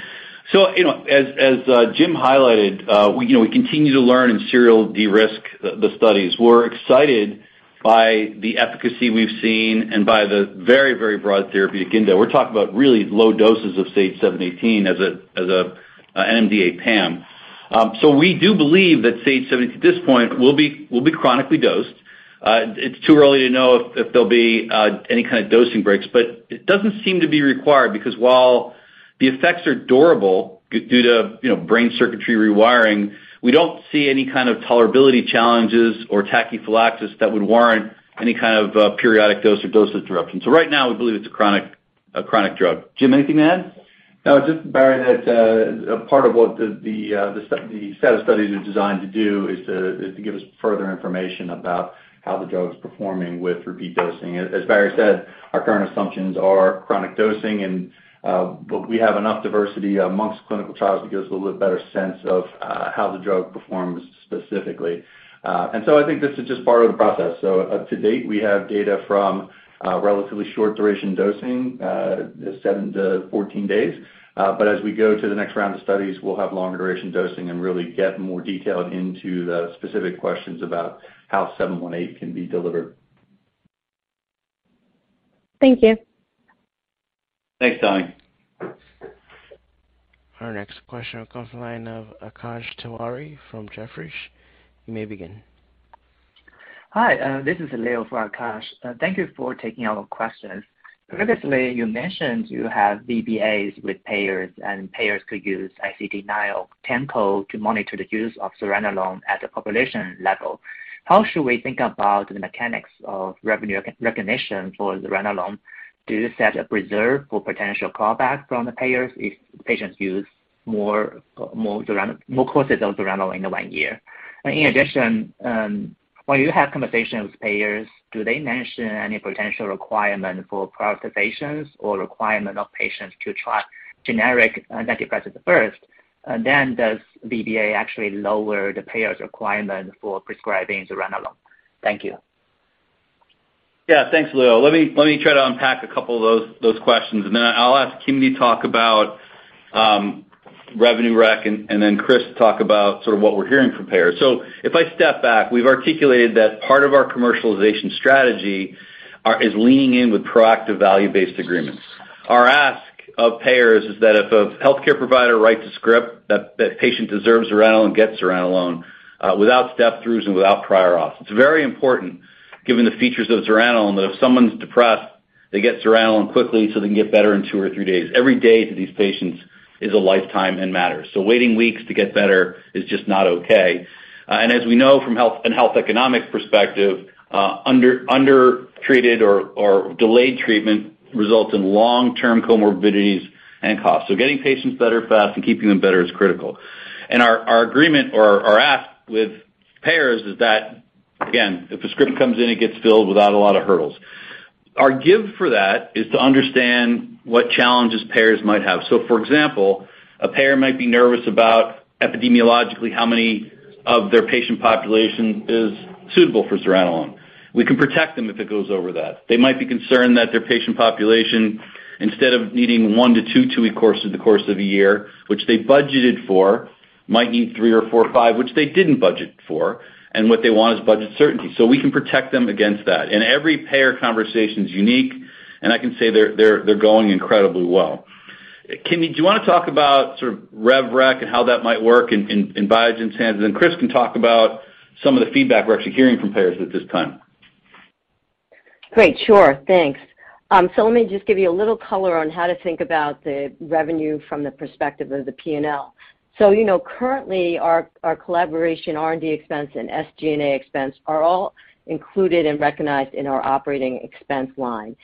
You know, as Jim highlighted, we continue to learn and serially de-risk the studies. We're excited by the efficacy we've seen and by the very broad therapeutic index. We're talking about really low doses of SAGE-718 as a NMDA PAM. We do believe that SAGE-718 at this point will be chronically dosed. It's too early to know if there'll be any kind of dosing breaks, but it doesn't seem to be required because while the effects are durable due to you know, brain circuitry rewiring, we don't see any kind of tolerability challenges or tachyphylaxis that would warrant any kind of periodic dose or dosage disruption. Right now, we believe it's a chronic drug. Jim, anything to add? No, just Barry, that part of what the set of studies are designed to do is to give us further information about how the drug is performing with repeat dosing. As Barry said, our current assumptions are chronic dosing and but we have enough diversity among clinical trials to give us a little bit better sense of how the drug performs specifically. I think this is just part of the process. To date, we have data from relatively short duration dosing, seven to 14 days. As we go to the next round of studies, we'll have longer duration dosing and really get more detailed into the specific questions about how SAGE-718 can be delivered. Thank you. Thanks, Tommy. Our next question comes from the line of Akash Tewari from Jefferies. You may begin. Hi, this is Leo for Akash. Thank you for taking our questions. Previously, you mentioned you have VBAs with payers, and payers could use ICD-9 temp code to monitor the use of zuranolone at the population level. How should we think about the mechanics of revenue recognition for zuranolone? Do you set a reserve for potential clawback from the payers if patients use more courses of zuranolone in one year? In addition, when you have conversations with payers, do they mention any potential requirement for prior authorizations or requirement of patients to try generic antidepressants first? Does VBA actually lower the payer's requirement for prescribing zuranolone? Thank you. Yeah. Thanks, Leo. Let me try to unpack a couple of those questions, and then I'll ask Kimi to talk about revenue rec, and then Chris talk about sort of what we're hearing from payers. If I step back, we've articulated that part of our commercialization strategy is leaning in with proactive value-based agreements. Our ask of payers is that if a healthcare provider writes a script, that patient deserves zuranolone, gets zuranolone, without step-throughs and without prior auth. It's very important given the features of zuranolone, that if someone's depressed, they get zuranolone quickly, so they can get better in two or three days. Every day to these patients is a lifetime and matters. Waiting weeks to get better is just not okay. As we know from health and health economic perspective, undertreated or delayed treatment results in long-term comorbidities and costs. Getting patients better fast and keeping them better is critical. Our agreement or our ask with payers is that, again, if a script comes in, it gets filled without a lot of hurdles. Our give for that is to understand what challenges payers might have. For example, a payer might be nervous about epidemiologically how many of their patient population is suitable for zuranolone. We can protect them if it goes over that. They might be concerned that their patient population, instead of needing one to two, two-week course in the course of a year, which they budgeted for, might need three or four or five, which they didn't budget for, and what they want is budget certainty. We can protect them against that. Every payer conversation is unique, and I can say they're going incredibly well. Kimi, do you wanna talk about sort of rev rec and how that might work in Biogen's hands? Then Chris can talk about some of the feedback we're actually hearing from payers at this time. Great. Sure. Thanks. Let me just give you a little color on how to think about the revenue from the perspective of the P&L. You know, currently, our collaboration R&D expense and SG&A expense are all included and recognized in our operating expense line.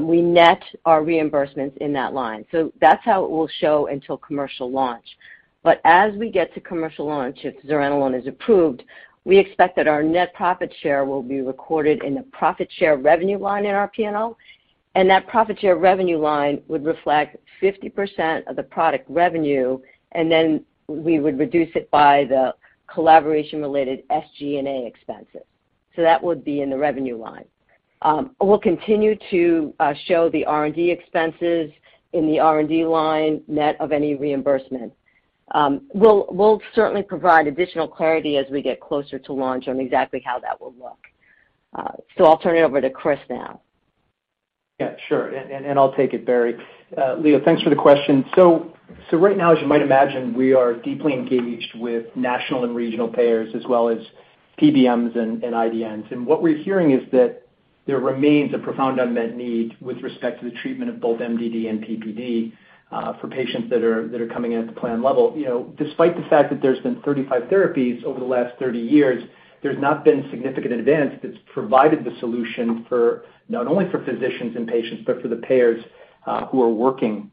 We net our reimbursements in that line. That's how it will show until commercial launch. As we get to commercial launch, if zuranolone is approved, we expect that our net profit share will be recorded in the profit share revenue line in our P&L, and that profit share revenue line would reflect 50% of the product revenue, and then we would reduce it by the collaboration-related SG&A expenses. That would be in the revenue line. We'll continue to show the R&D expenses in the R&D line net of any reimbursement. We'll certainly provide additional clarity as we get closer to launch on exactly how that will look. I'll turn it over to Chris now. Yeah, sure. I'll take it, Barry. Leo, thanks for the question. Right now, as you might imagine, we are deeply engaged with national and regional payers as well as PBMs and IDNs. What we're hearing is that there remains a profound unmet need with respect to the treatment of both MDD and PPD for patients that are coming in at the plan level. You know, despite the fact that there's been 35 therapies over the last 30 years, there's not been significant advance that's provided the solution for not only physicians and patients, but for the payers who are working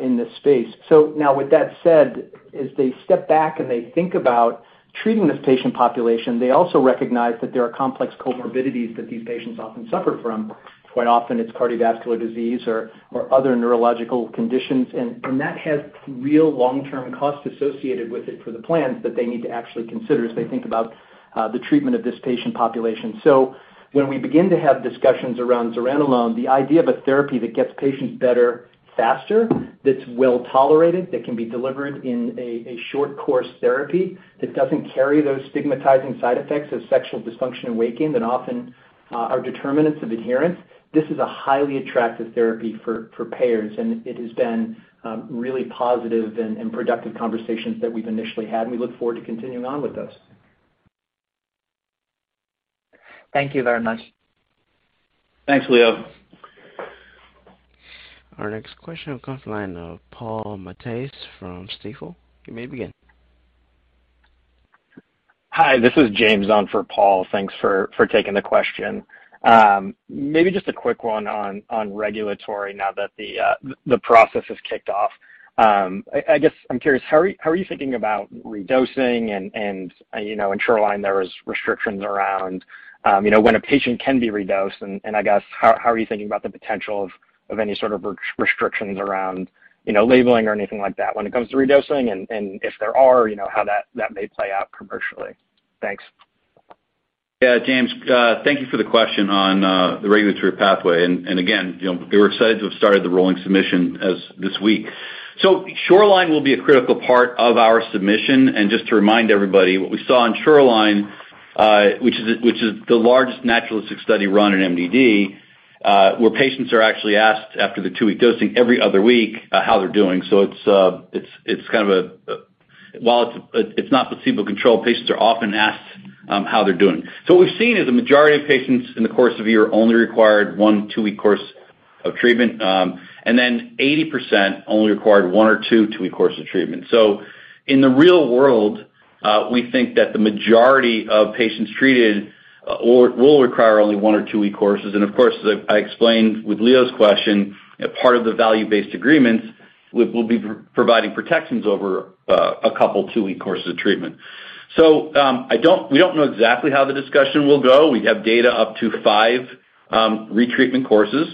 in this space. Now with that said, as they step back and they think about treating this patient population, they also recognize that there are complex comorbidities that these patients often suffer from. Quite often it's cardiovascular disease or other neurological conditions, and that has real long-term costs associated with it for the plans that they need to actually consider as they think about the treatment of this patient population. When we begin to have discussions around zuranolone, the idea of a therapy that gets patients better faster, that's well-tolerated, that can be delivered in a short course therapy that doesn't carry those stigmatizing side effects of sexual dysfunction and weight gain that often are determinants of adherence, this is a highly attractive therapy for payers, and it has been really positive and productive conversations that we've initially had, and we look forward to continuing on with this. Thank you very much. Thanks, Leo. Our next question will come from the line of Paul Matteis from Stifel. You may begin. Hi, this is James on for Paul. Thanks for taking the question. Maybe just a quick one on regulatory now that the process has kicked off. I guess I'm curious, how are you thinking about redosing and, you know, in Shoreline, there was restrictions around, you know, when a patient can be redosed. I guess how are you thinking about the potential of any sort of restrictions around, you know, labeling or anything like that when it comes to redosing? If there are, you know, how that may play out commercially. Thanks. Yeah. James, thank you for the question on the regulatory pathway. Again, you know, we were excited to have started the rolling submission as of this week. Shoreline will be a critical part of our submission. Just to remind everybody, what we saw in Shoreline, which is the largest naturalistic study run in MDD, where patients are actually asked after the two-week dosing every other week, how they're doing. While it's not placebo-controlled, patients are often asked how they're doing. What we've seen is the majority of patients in the course of a year only required one two-week course of treatment. Then 80% only required one or two two-week course of treatment. In the real world, we think that the majority of patients treated or will require only one or two-week courses. Of course, as I explained with Leo's question, part of the value-based agreements will be providing protections over a couple two-week courses of treatment. We don't know exactly how the discussion will go. We have data up to five retreatment courses.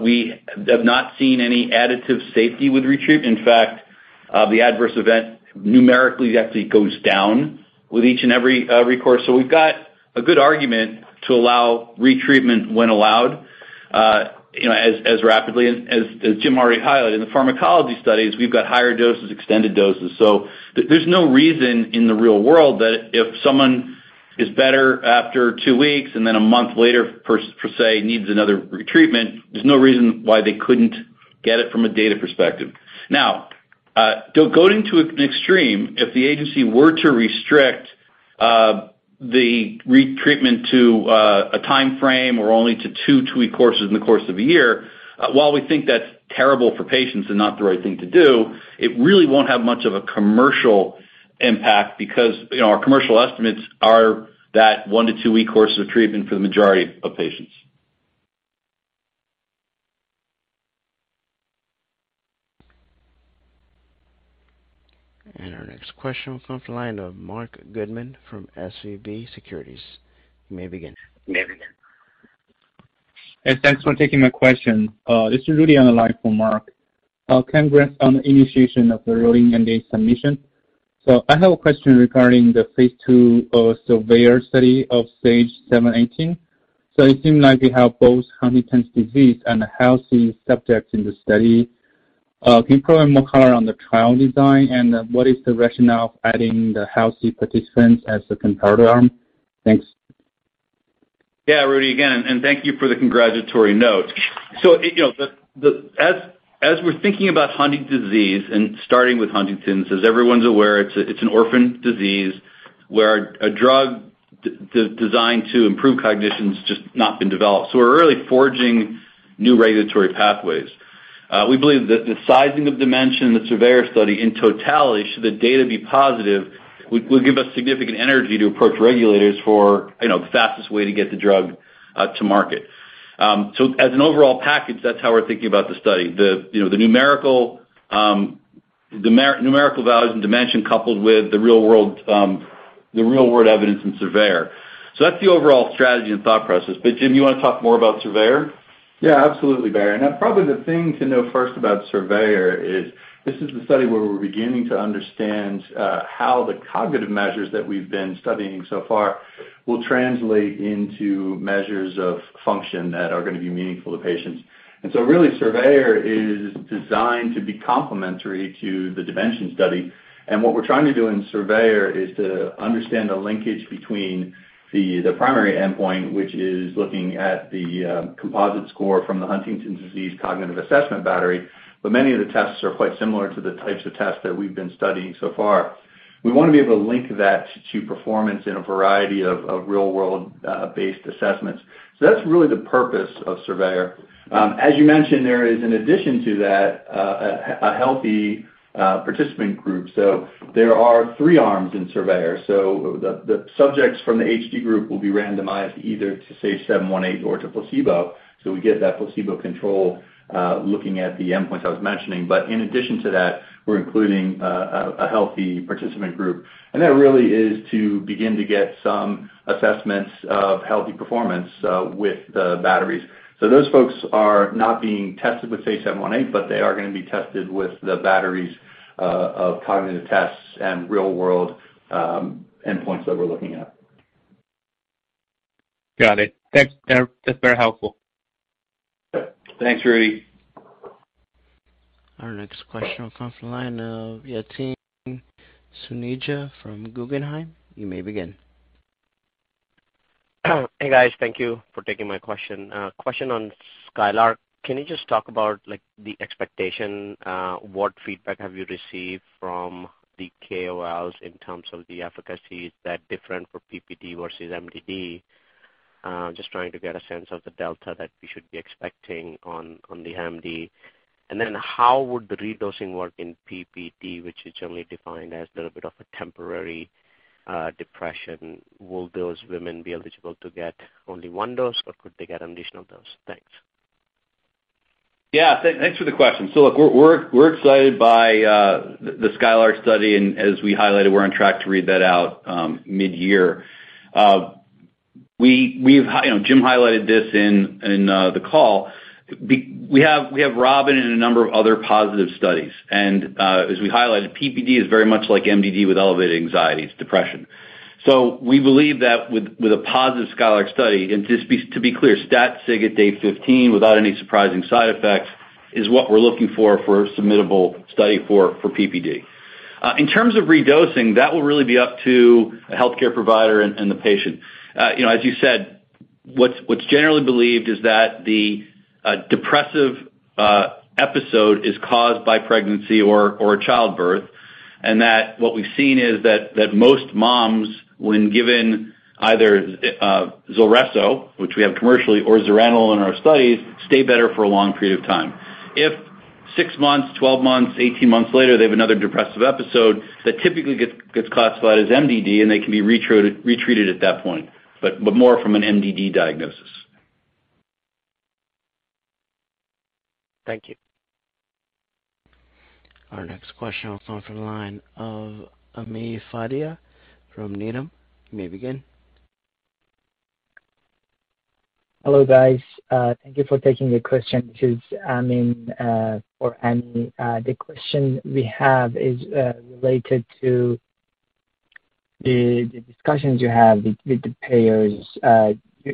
We have not seen any additive safety with retreatment. In fact, of the adverse event, numerically it actually goes down with each and every course. We've got a good argument to allow retreatment when allowed, you know, as rapidly. As Jim already highlighted, in the pharmacology studies, we've got higher doses, extended doses. There's no reason in the real world that if someone is better after two weeks and then a month later per se needs another retreatment, there's no reason why they couldn't get it from a data perspective. Now, going to an extreme, if the agency were to restrict the retreatment to a timeframe or only to twp-week courses in the course of a year, while we think that's terrible for patients and not the right thing to do, it really won't have much of a commercial impact because, you know, our commercial estimates are that one- to two-week course of treatment for the majority of patients. Our next question comes to line of Marc Goodman from SVB Securities. You may begin. You may begin. Yes, thanks for taking my question. This is Rudy on the line for Marc. Congrats on the initiation of the rolling NDA submission. I have a question regarding the phase II SURVEYOR study of SAGE-718. It seems like you have both Huntington's disease and a healthy subject in the study. Can you provide more color on the trial design, and what is the rationale of adding the healthy participants as the comparator arm? Thanks. Yeah. Rudy, again, and thank you for the congratulatory note. You know, as we're thinking about Huntington's disease and starting with Huntington's, as everyone's aware, it's an orphan disease where a drug designed to improve cognition's just not been developed. We're really forging new regulatory pathways. We believe that the sizing of DIMENSION, the SURVEYOR study in totality should the data be positive, would give us significant energy to approach regulators for, you know, the fastest way to get the drug to market. As an overall package, that's how we're thinking about the study. You know, the numerical values in DIMENSION coupled with the real world evidence in SURVEYOR. That's the overall strategy and thought process. Jim, you wanna talk more about SURVEYOR? Yeah, absolutely, Barry. Now probably the thing to know first about Surveyor is this is the study where we're beginning to understand how the cognitive measures that we've been studying so far will translate into measures of function that are gonna be meaningful to patients. Really, Surveyor is designed to be complementary to the Dimension study. What we're trying to do in Surveyor is to understand the linkage between the primary endpoint, which is looking at the composite score from the Huntington's Disease Cognitive Assessment Battery, but many of the tests are quite similar to the types of tests that we've been studying so far. We wanna be able to link that to performance in a variety of real world based assessments. That's really the purpose of Surveyor. As you mentioned, there is in addition to that, a healthy participant group. There are three arms in Surveyor. The subjects from the HD group will be randomized either to SAGE-718 or to placebo. We get that placebo control, looking at the endpoints I was mentioning. In addition to that, we're including a healthy participant group, and that really is to begin to get some assessments of healthy performance with the batteries. Those folks are not being tested with SAGE-718, but they are gonna be tested with the batteries of cognitive tests and real-world endpoints that we're looking at. Got it. Thanks. That's very helpful. Thanks, Rudy. Our next question comes from the line of Yatin Suneja from Guggenheim. You may begin. Hey, guys. Thank you for taking my question. Question on Skylark. Can you just talk about like the expectation, what feedback have you received from the KOLs in terms of the efficacy? Is that different for PPD versus MDD? Just trying to get a sense of the delta that we should be expecting on the MDD. How would the redosing work in PPD, which is generally defined as little bit of a temporary depression? Will those women be eligible to get only one dose, or could they get additional dose? Thanks. Yeah. Thanks for the question. Look, we're excited by the Skylark study, and as we highlighted, we're on track to read that out mid-year. We've You know, Jim highlighted this in the call. We have ROBIN and a number of other positive studies. As we highlighted, PPD is very much like MDD with elevated anxieties, depression. We believe that with a positive Skylark study, and just to be clear, stat sig at day 15 without any surprising side effects is what we're looking for for a submittable study for PPD. In terms of redosing, that will really be up to a healthcare provider and the patient. You know, as you said, what's generally believed is that the depressive episode is caused by pregnancy or childbirth, and that what we've seen is that most moms, when given either Zulresso, which we have commercially, or zuranolone in our studies, stay better for a long period of time. If six months, 12 months, 18 months later, they have another depressive episode, that typically gets classified as MDD, and they can be retreated at that point, but more from an MDD diagnosis. Thank you. Our next question comes from the line of Ami Fadia from Needham & Company. You may begin. Hello, guys. Thank you for taking the question. This is Amin for Ami. The question we have is related to the discussions you have with the payers.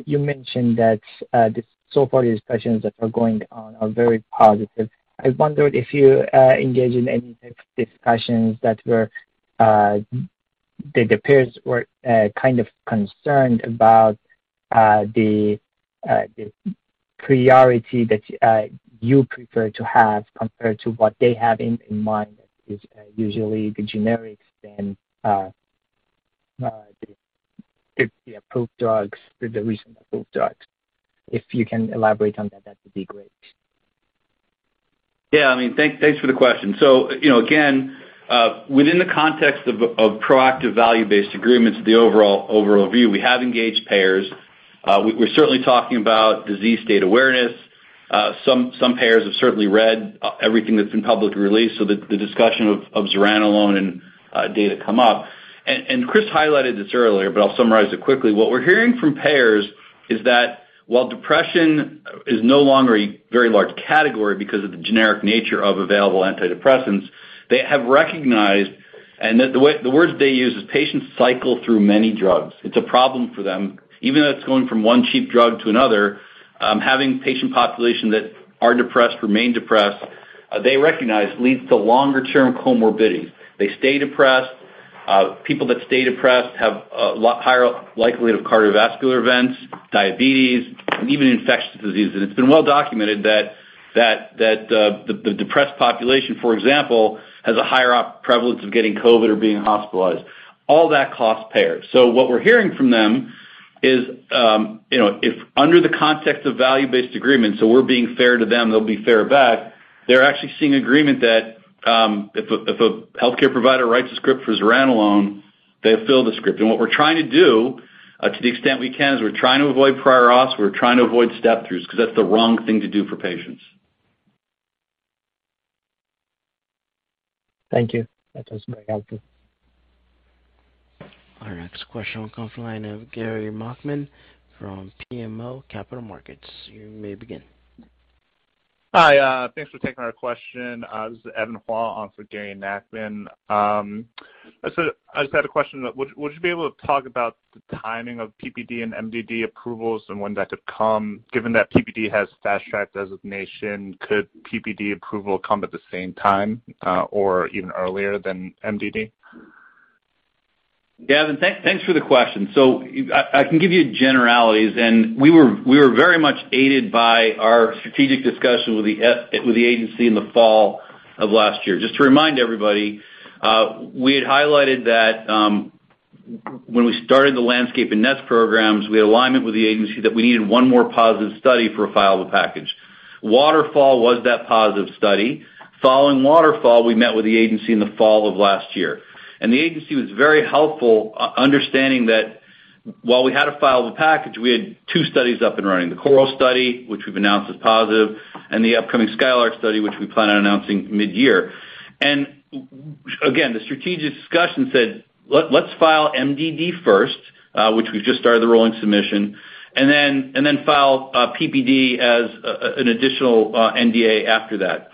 You mentioned that the so far discussions that are going on are very positive. I wondered if you engaged in any type of discussions that were that the payers were kind of concerned about the the priority that you prefer to have compared to what they have in in mind, is usually the generics then the the approved drugs for the recent approved drugs. If you can elaborate on that would be great. Yeah, I mean, thanks for the question. So, you know, again, within the context of proactive value-based agreements, the overall view, we have engaged payers. We're certainly talking about disease state awareness. Some payers have certainly read everything that's been publicly released, so the discussion of zuranolone and data come up. Chris highlighted this earlier, but I'll summarize it quickly. What we're hearing from payers is that while depression is no longer a very large category because of the generic nature of available antidepressants, they have recognized that the way the words they use is patients cycle through many drugs. It's a problem for them. Even though it's going from one cheap drug to another, having patient population that are depressed remain depressed, they recognize leads to longer term comorbidities. They stay depressed. People that stay depressed have a lot higher likelihood of cardiovascular events, diabetes, and even infectious diseases. It's been well documented that the depressed population, for example, has a higher prevalence of getting COVID or being hospitalized. All that costs payers. What we're hearing from them is, you know, if under the context of value-based agreements, we're being fair to them, they'll be fair back. They're actually seeing agreement that if a healthcare provider writes a script for zuranolone, they fill the script. What we're trying to do, to the extent we can, is we're trying to avoid prior auths, we're trying to avoid step-throughs because that's the wrong thing to do for patients. Thank you. That was very helpful. Our next question will come from the line of Gary Nachman from BMO Capital Markets. You may begin. Hi. Thanks for taking our question. This is Evan Hua on for Gary Nachman. I just had a question. Would you be able to talk about the timing of PPD and MDD approvals and when that could come? Given that PPD has Fast Track designation, could PPD approval come at the same time, or even earlier than MDD? Evan, thanks for the question. I can give you generalities. We were very much aided by our strategic discussion with the agency in the fall of last year. Just to remind everybody, we had highlighted that, when we started the Landscape and Nest programs, we had alignment with the agency that we needed one more positive study for a filing of a package. Waterfall was that positive study. Following Waterfall, we met with the agency in the fall of last year, and the agency was very helpful, understanding that while we had to file the package, we had two studies up and running, the Coral study, which we've announced as positive, and the upcoming Skylark study, which we plan on announcing mid-year. Again, the strategic discussion said, "Let's file MDD first," which we've just started the rolling submission, "and then file PPD as an additional NDA after that."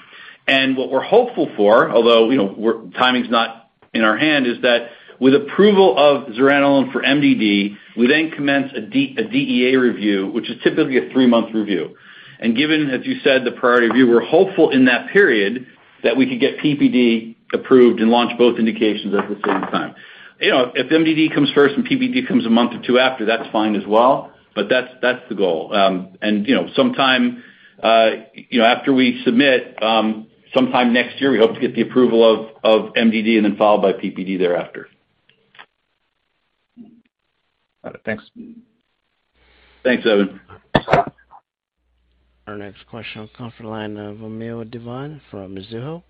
What we're hopeful for, although, you know, timing's not in our hand, is that with approval of zuranolone for MDD, we then commence a DEA review, which is typically a three-month review. Given, as you said, the priority review, we're hopeful in that period that we could get PPD approved and launch both indications at the same time. You know, if MDD comes first and PPD comes a month or two after, that's fine as well, but that's the goal. You know, sometime next year, we hope to get the approval of MDD and then followed by PPD thereafter. Got it. Thanks. Thanks, Evan. Our next question comes from the line of Vamil Divan from Mizuho.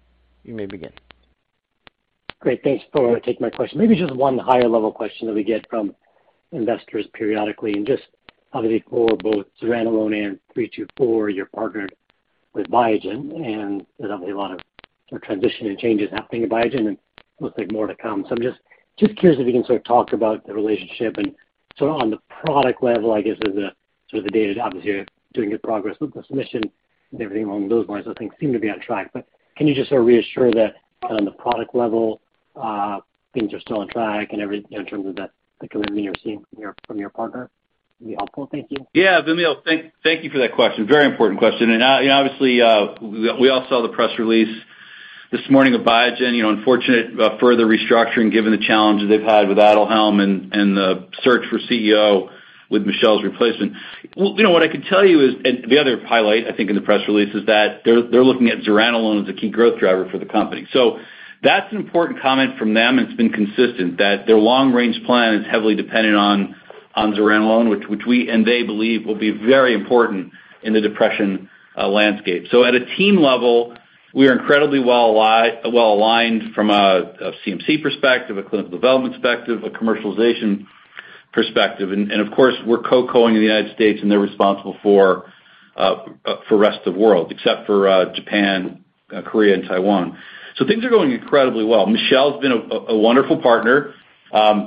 You may begin. Great. Thanks for taking my question. Maybe just one higher level question that we get from investors periodically and just obviously for both zuranolone and three two four, you're partnered with Biogen, and there's obviously a lot of transition and changes happening at Biogen and looks like more to come. So I'm just curious if you can sort of talk about the relationship and sort of on the product level, I guess, is the sort of the data. Obviously, you're doing good progress with the submission and everything along those lines. So things seem to be on track. But can you just sort of reassure that on the product level, things are still on track and everything, you know, in terms of the commitment you're seeing from your partner? That'd be helpful. Thank you. Yeah. Mani, thank you for that question. Very important question. Obviously, we all saw the press release this morning of Biogen, you know, unfortunate, further restructuring given the challenges they've had with Aduhelm and the search for CEO with Michel's replacement. Well, you know, what I can tell you is, and the other highlight, I think, in the press release is that they're looking at zuranolone as a key growth driver for the company. That's an important comment from them, and it's been consistent that their long range plan is heavily dependent on zuranolone, which we and they believe will be very important in the depression landscape. At a team level, we are incredibly well aligned from a CMC perspective, a clinical development perspective, a commercialization perspective. Of course, we're co-promoting in the U.S., and they're responsible for the rest of the world, except for Japan, Korea and Taiwan. Things are going incredibly well. Michel has been a wonderful partner.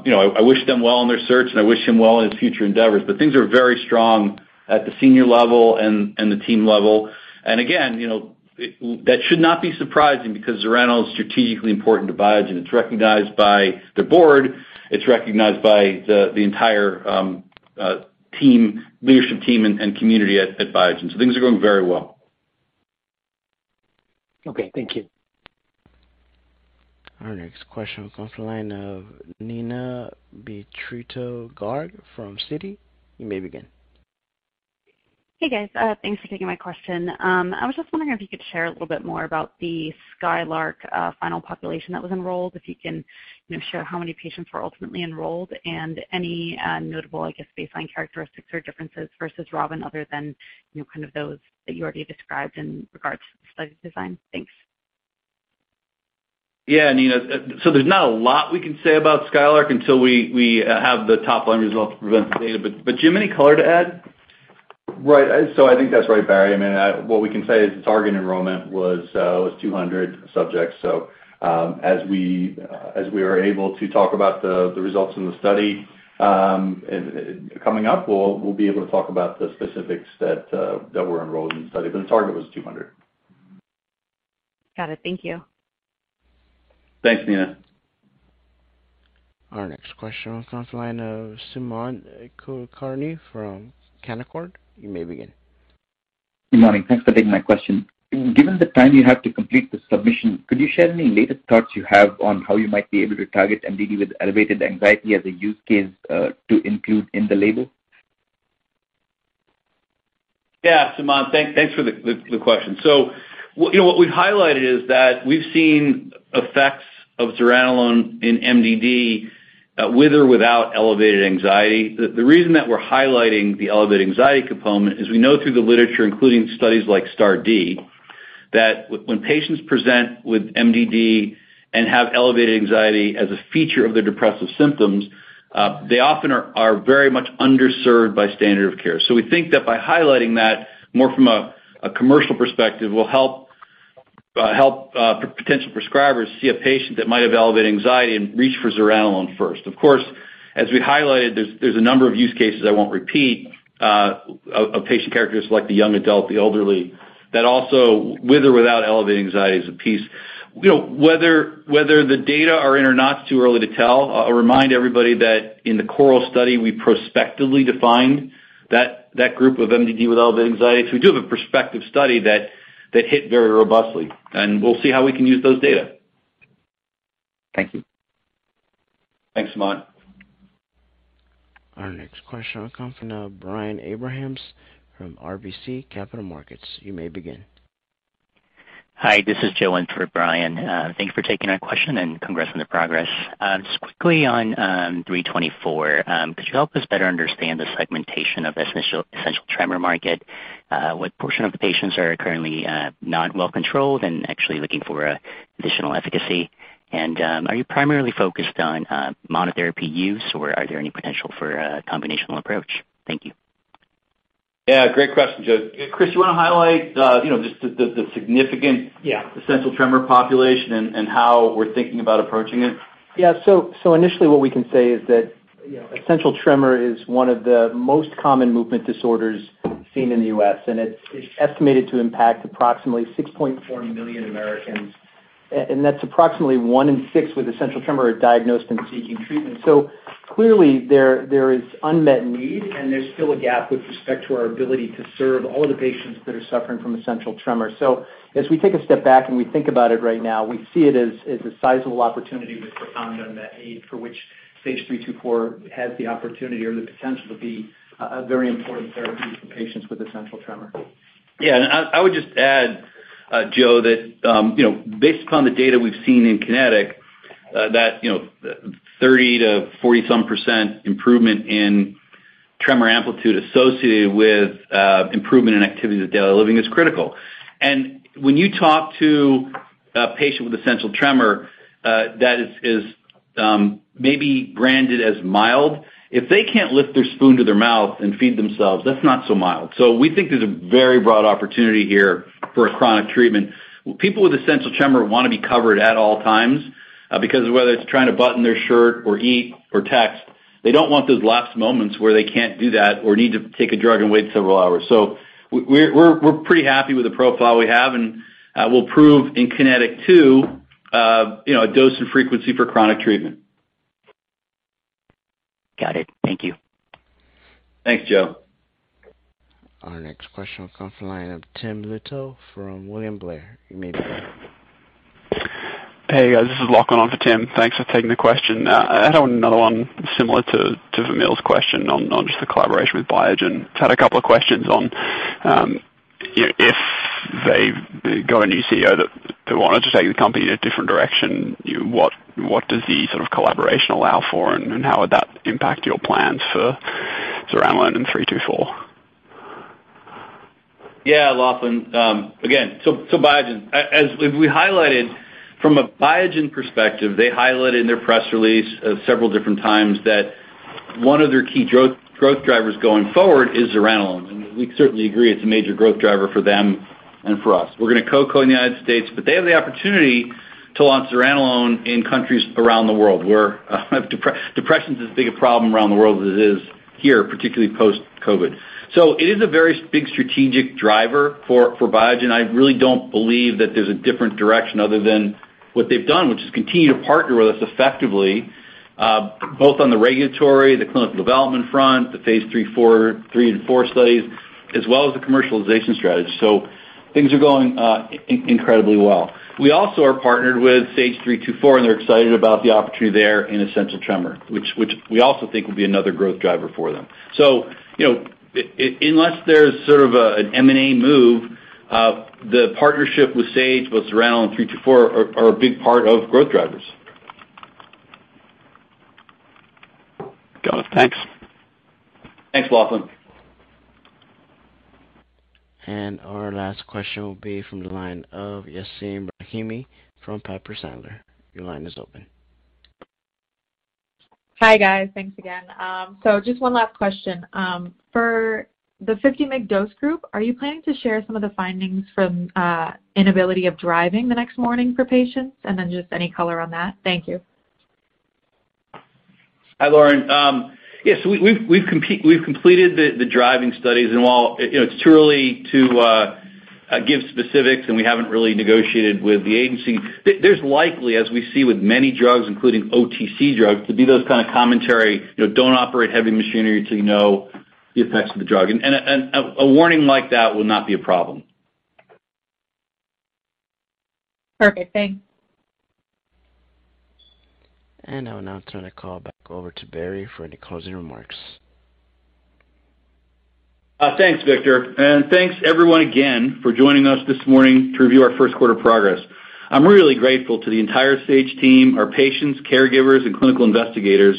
You know, I wish them well in their search, and I wish him well in his future endeavors. Things are very strong at the senior level and the team level. Again, you know, that should not be surprising because zuranolone is strategically important to Biogen. It's recognized by the board, it's recognized by the entire team, leadership team and community at Biogen. Things are going very well. Okay. Thank you. Our next question comes from the line of Neena Bitritto-Garg from Citi. You may begin. Hey, guys. Thanks for taking my question. I was just wondering if you could share a little bit more about the Skylark final population that was enrolled. If you can, you know, share how many patients were ultimately enrolled and any notable, I guess baseline characteristics or differences versus ROBIN other than, you know, kind of those that you already described in regards to the study design. Thanks. Yeah, Nina. So there's not a lot we can say about Skylark until we have the top line results to protect the data. Do you have any color to add? Right. I think that's right, Barry. I mean, what we can say is the target enrollment was 200 subjects. As we are able to talk about the results in the study, and coming up, we'll be able to talk about the specifics that were enrolled in the study, but the target was 200. Got it. Thank you. Thanks, Nina. Our next question comes from the line of Sumant Kulkarni from Canaccord. You may begin. Good morning. Thanks for taking my question. Given the time you have to complete the submission, could you share any latest thoughts you have on how you might be able to target MDD with elevated anxiety as a use case, to include in the label? Yeah. Sumon, thanks for the question. What you know we've highlighted is that we've seen effects of zuranolone in MDD with or without elevated anxiety. The reason that we're highlighting the elevated anxiety component is we know through the literature, including studies like STAR*D, that when patients present with MDD and have elevated anxiety as a feature of their depressive symptoms, they often are very much underserved by standard of care. We think that by highlighting that more from a commercial perspective will help potential prescribers see a patient that might have elevated anxiety and reach for zuranolone first. Of course, as we highlighted, there's a number of use cases I won't repeat of patient characteristics like the young adult, the elderly, that also with or without elevated anxiety is a piece. You know, whether the data are in or not, it's too early to tell. I'll remind everybody that in the CORAL study we prospectively defined that group of MDD with elevated anxiety. We do have a prospective study that hit very robustly, and we'll see how we can use those data. Thank you. Thanks, Sumant. Our next question comes from Brian Abrahams from RBC Capital Markets. You may begin. Hi, this is Joe in for Brian. Thank you for taking our question and congrats on the progress. Just quickly on SAGE-324, could you help us better understand the segmentation of essential tremor market? What portion of the patients are currently not well controlled and actually looking for additional efficacy? Are you primarily focused on monotherapy use, or are there any potential for a combination approach? Thank you. Yeah, great question, Joe. Chris, you wanna highlight, you know, just the significant. Yeah. essential tremor population and how we're thinking about approaching it? Yeah. Initially what we can say is that, you know, essential tremor is one of the most common movement disorders seen in the U.S., and it's estimated to impact approximately 6.4 million Americans. And that's approximately one in six with essential tremor are diagnosed and seeking treatment. Clearly there is unmet need, and there's still a gap with respect to our ability to serve all of the patients that are suffering from essential tremor. As we take a step back and we think about it right now, we see it as a sizable opportunity with profound unmet need for which SAGE-324 has the opportunity or the potential to be a very important therapy for patients with essential tremor. Yeah. I would just add, Joe, that you know, based upon the data we've seen in KINETIC, that you know, 30 to 40-some percent improvement in tremor amplitude associated with improvement in activities of daily living is critical. When you talk to a patient with essential tremor that is maybe branded as mild, if they can't lift their spoon to their mouth and feed themselves, that's not so mild. We think there's a very broad opportunity here for a chronic treatment. People with essential tremor wanna be covered at all times, because whether it's trying to button their shirt or eat or text, they don't want those lapsed moments where they can't do that or need to take a drug and wait several hours. We're pretty happy with the profile we have, and we'll prove in KINETIC 2, you know, a dose and frequency for chronic treatment. Got it. Thank you. Thanks, Joe. Our next question will come from the line of Tim Lugo from William Blair. You may begin. Hey, guys. This is Lachlan on for Tim. Thanks for taking the question. I had another one similar to Vamil's question on just the collaboration with Biogen. Just had a couple of questions on, you know, if they've got a new CEO that they wanted to take the company in a different direction, you know, what does the sort of collaboration allow for, and how would that impact your plans for zuranolone and 324? Yeah. Lachlan, again, Biogen. As we highlighted from a Biogen perspective, they highlighted in their press release several different times that one of their key growth drivers going forward is zuranolone, and we certainly agree it's a major growth driver for them and for us. We're gonna co-promote in the U.S., but they have the opportunity to launch zuranolone in countries around the world where depression is as big a problem around the world as it is here, particularly post-COVID. It is a very big strategic driver for Biogen. I really don't believe that there's a different direction other than what they've done, which is continue to partner with us effectively, both on the regulatory, the clinical development front, the phase III and IV studies, as well as the commercialization strategy. Things are going incredibly well. We also are partnered with SAGE-324, and they're excited about the opportunity there in essential tremor, which we also think will be another growth driver for them. You know, unless there's sort of an M&A move, the partnership with Sage with zuranolone and SAGE-324 are a big part of growth drivers. Got it. Thanks. Thanks. Our last question will be from the line of Yasmin Rahimi from Piper Sandler. Your line is open. Hi, guys. Thanks again. Just one last question. For the 50 mg dose group, are you planning to share some of the findings from ability to drive the next morning for patients? Just any color on that. Thank you. Hi, Lauren. Yes, we've completed the driving studies. While, you know, it's too early to give specifics, and we haven't really negotiated with the agency, there's likely, as we see with many drugs, including OTC drugs, to be those kind of commentary, you know, don't operate heavy machinery till you know the effects of the drug. A warning like that will not be a problem. Perfect. Thanks. I'll now turn the call back over to Barry for any closing remarks. Thanks, Victor. Thanks everyone again for joining us this morning to review our first quarter progress. I'm really grateful to the entire Sage team, our patients, caregivers, and clinical investigators,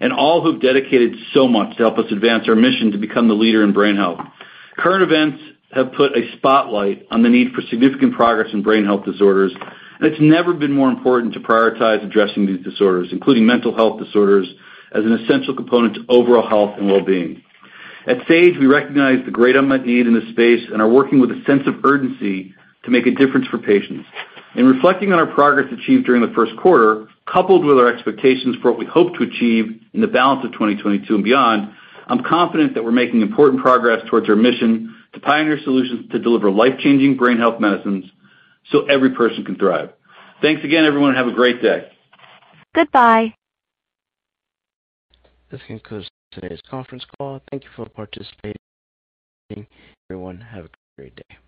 and all who've dedicated so much to help us advance our mission to become the leader in brain health. Current events have put a spotlight on the need for significant progress in brain health disorders, and it's never been more important to prioritize addressing these disorders, including mental health disorders, as an essential component to overall health and wellbeing. At Sage, we recognize the great unmet need in this space and are working with a sense of urgency to make a difference for patients. In reflecting on our progress achieved during the first quarter, coupled with our expectations for what we hope to achieve in the balance of 2022 and beyond, I'm confident that we're making important progress towards our mission to pioneer solutions to deliver life-changing brain health medicines so every person can thrive. Thanks again, everyone, and have a great day. Goodbye. This concludes today's conference call. Thank you for participating. Everyone, have a great day.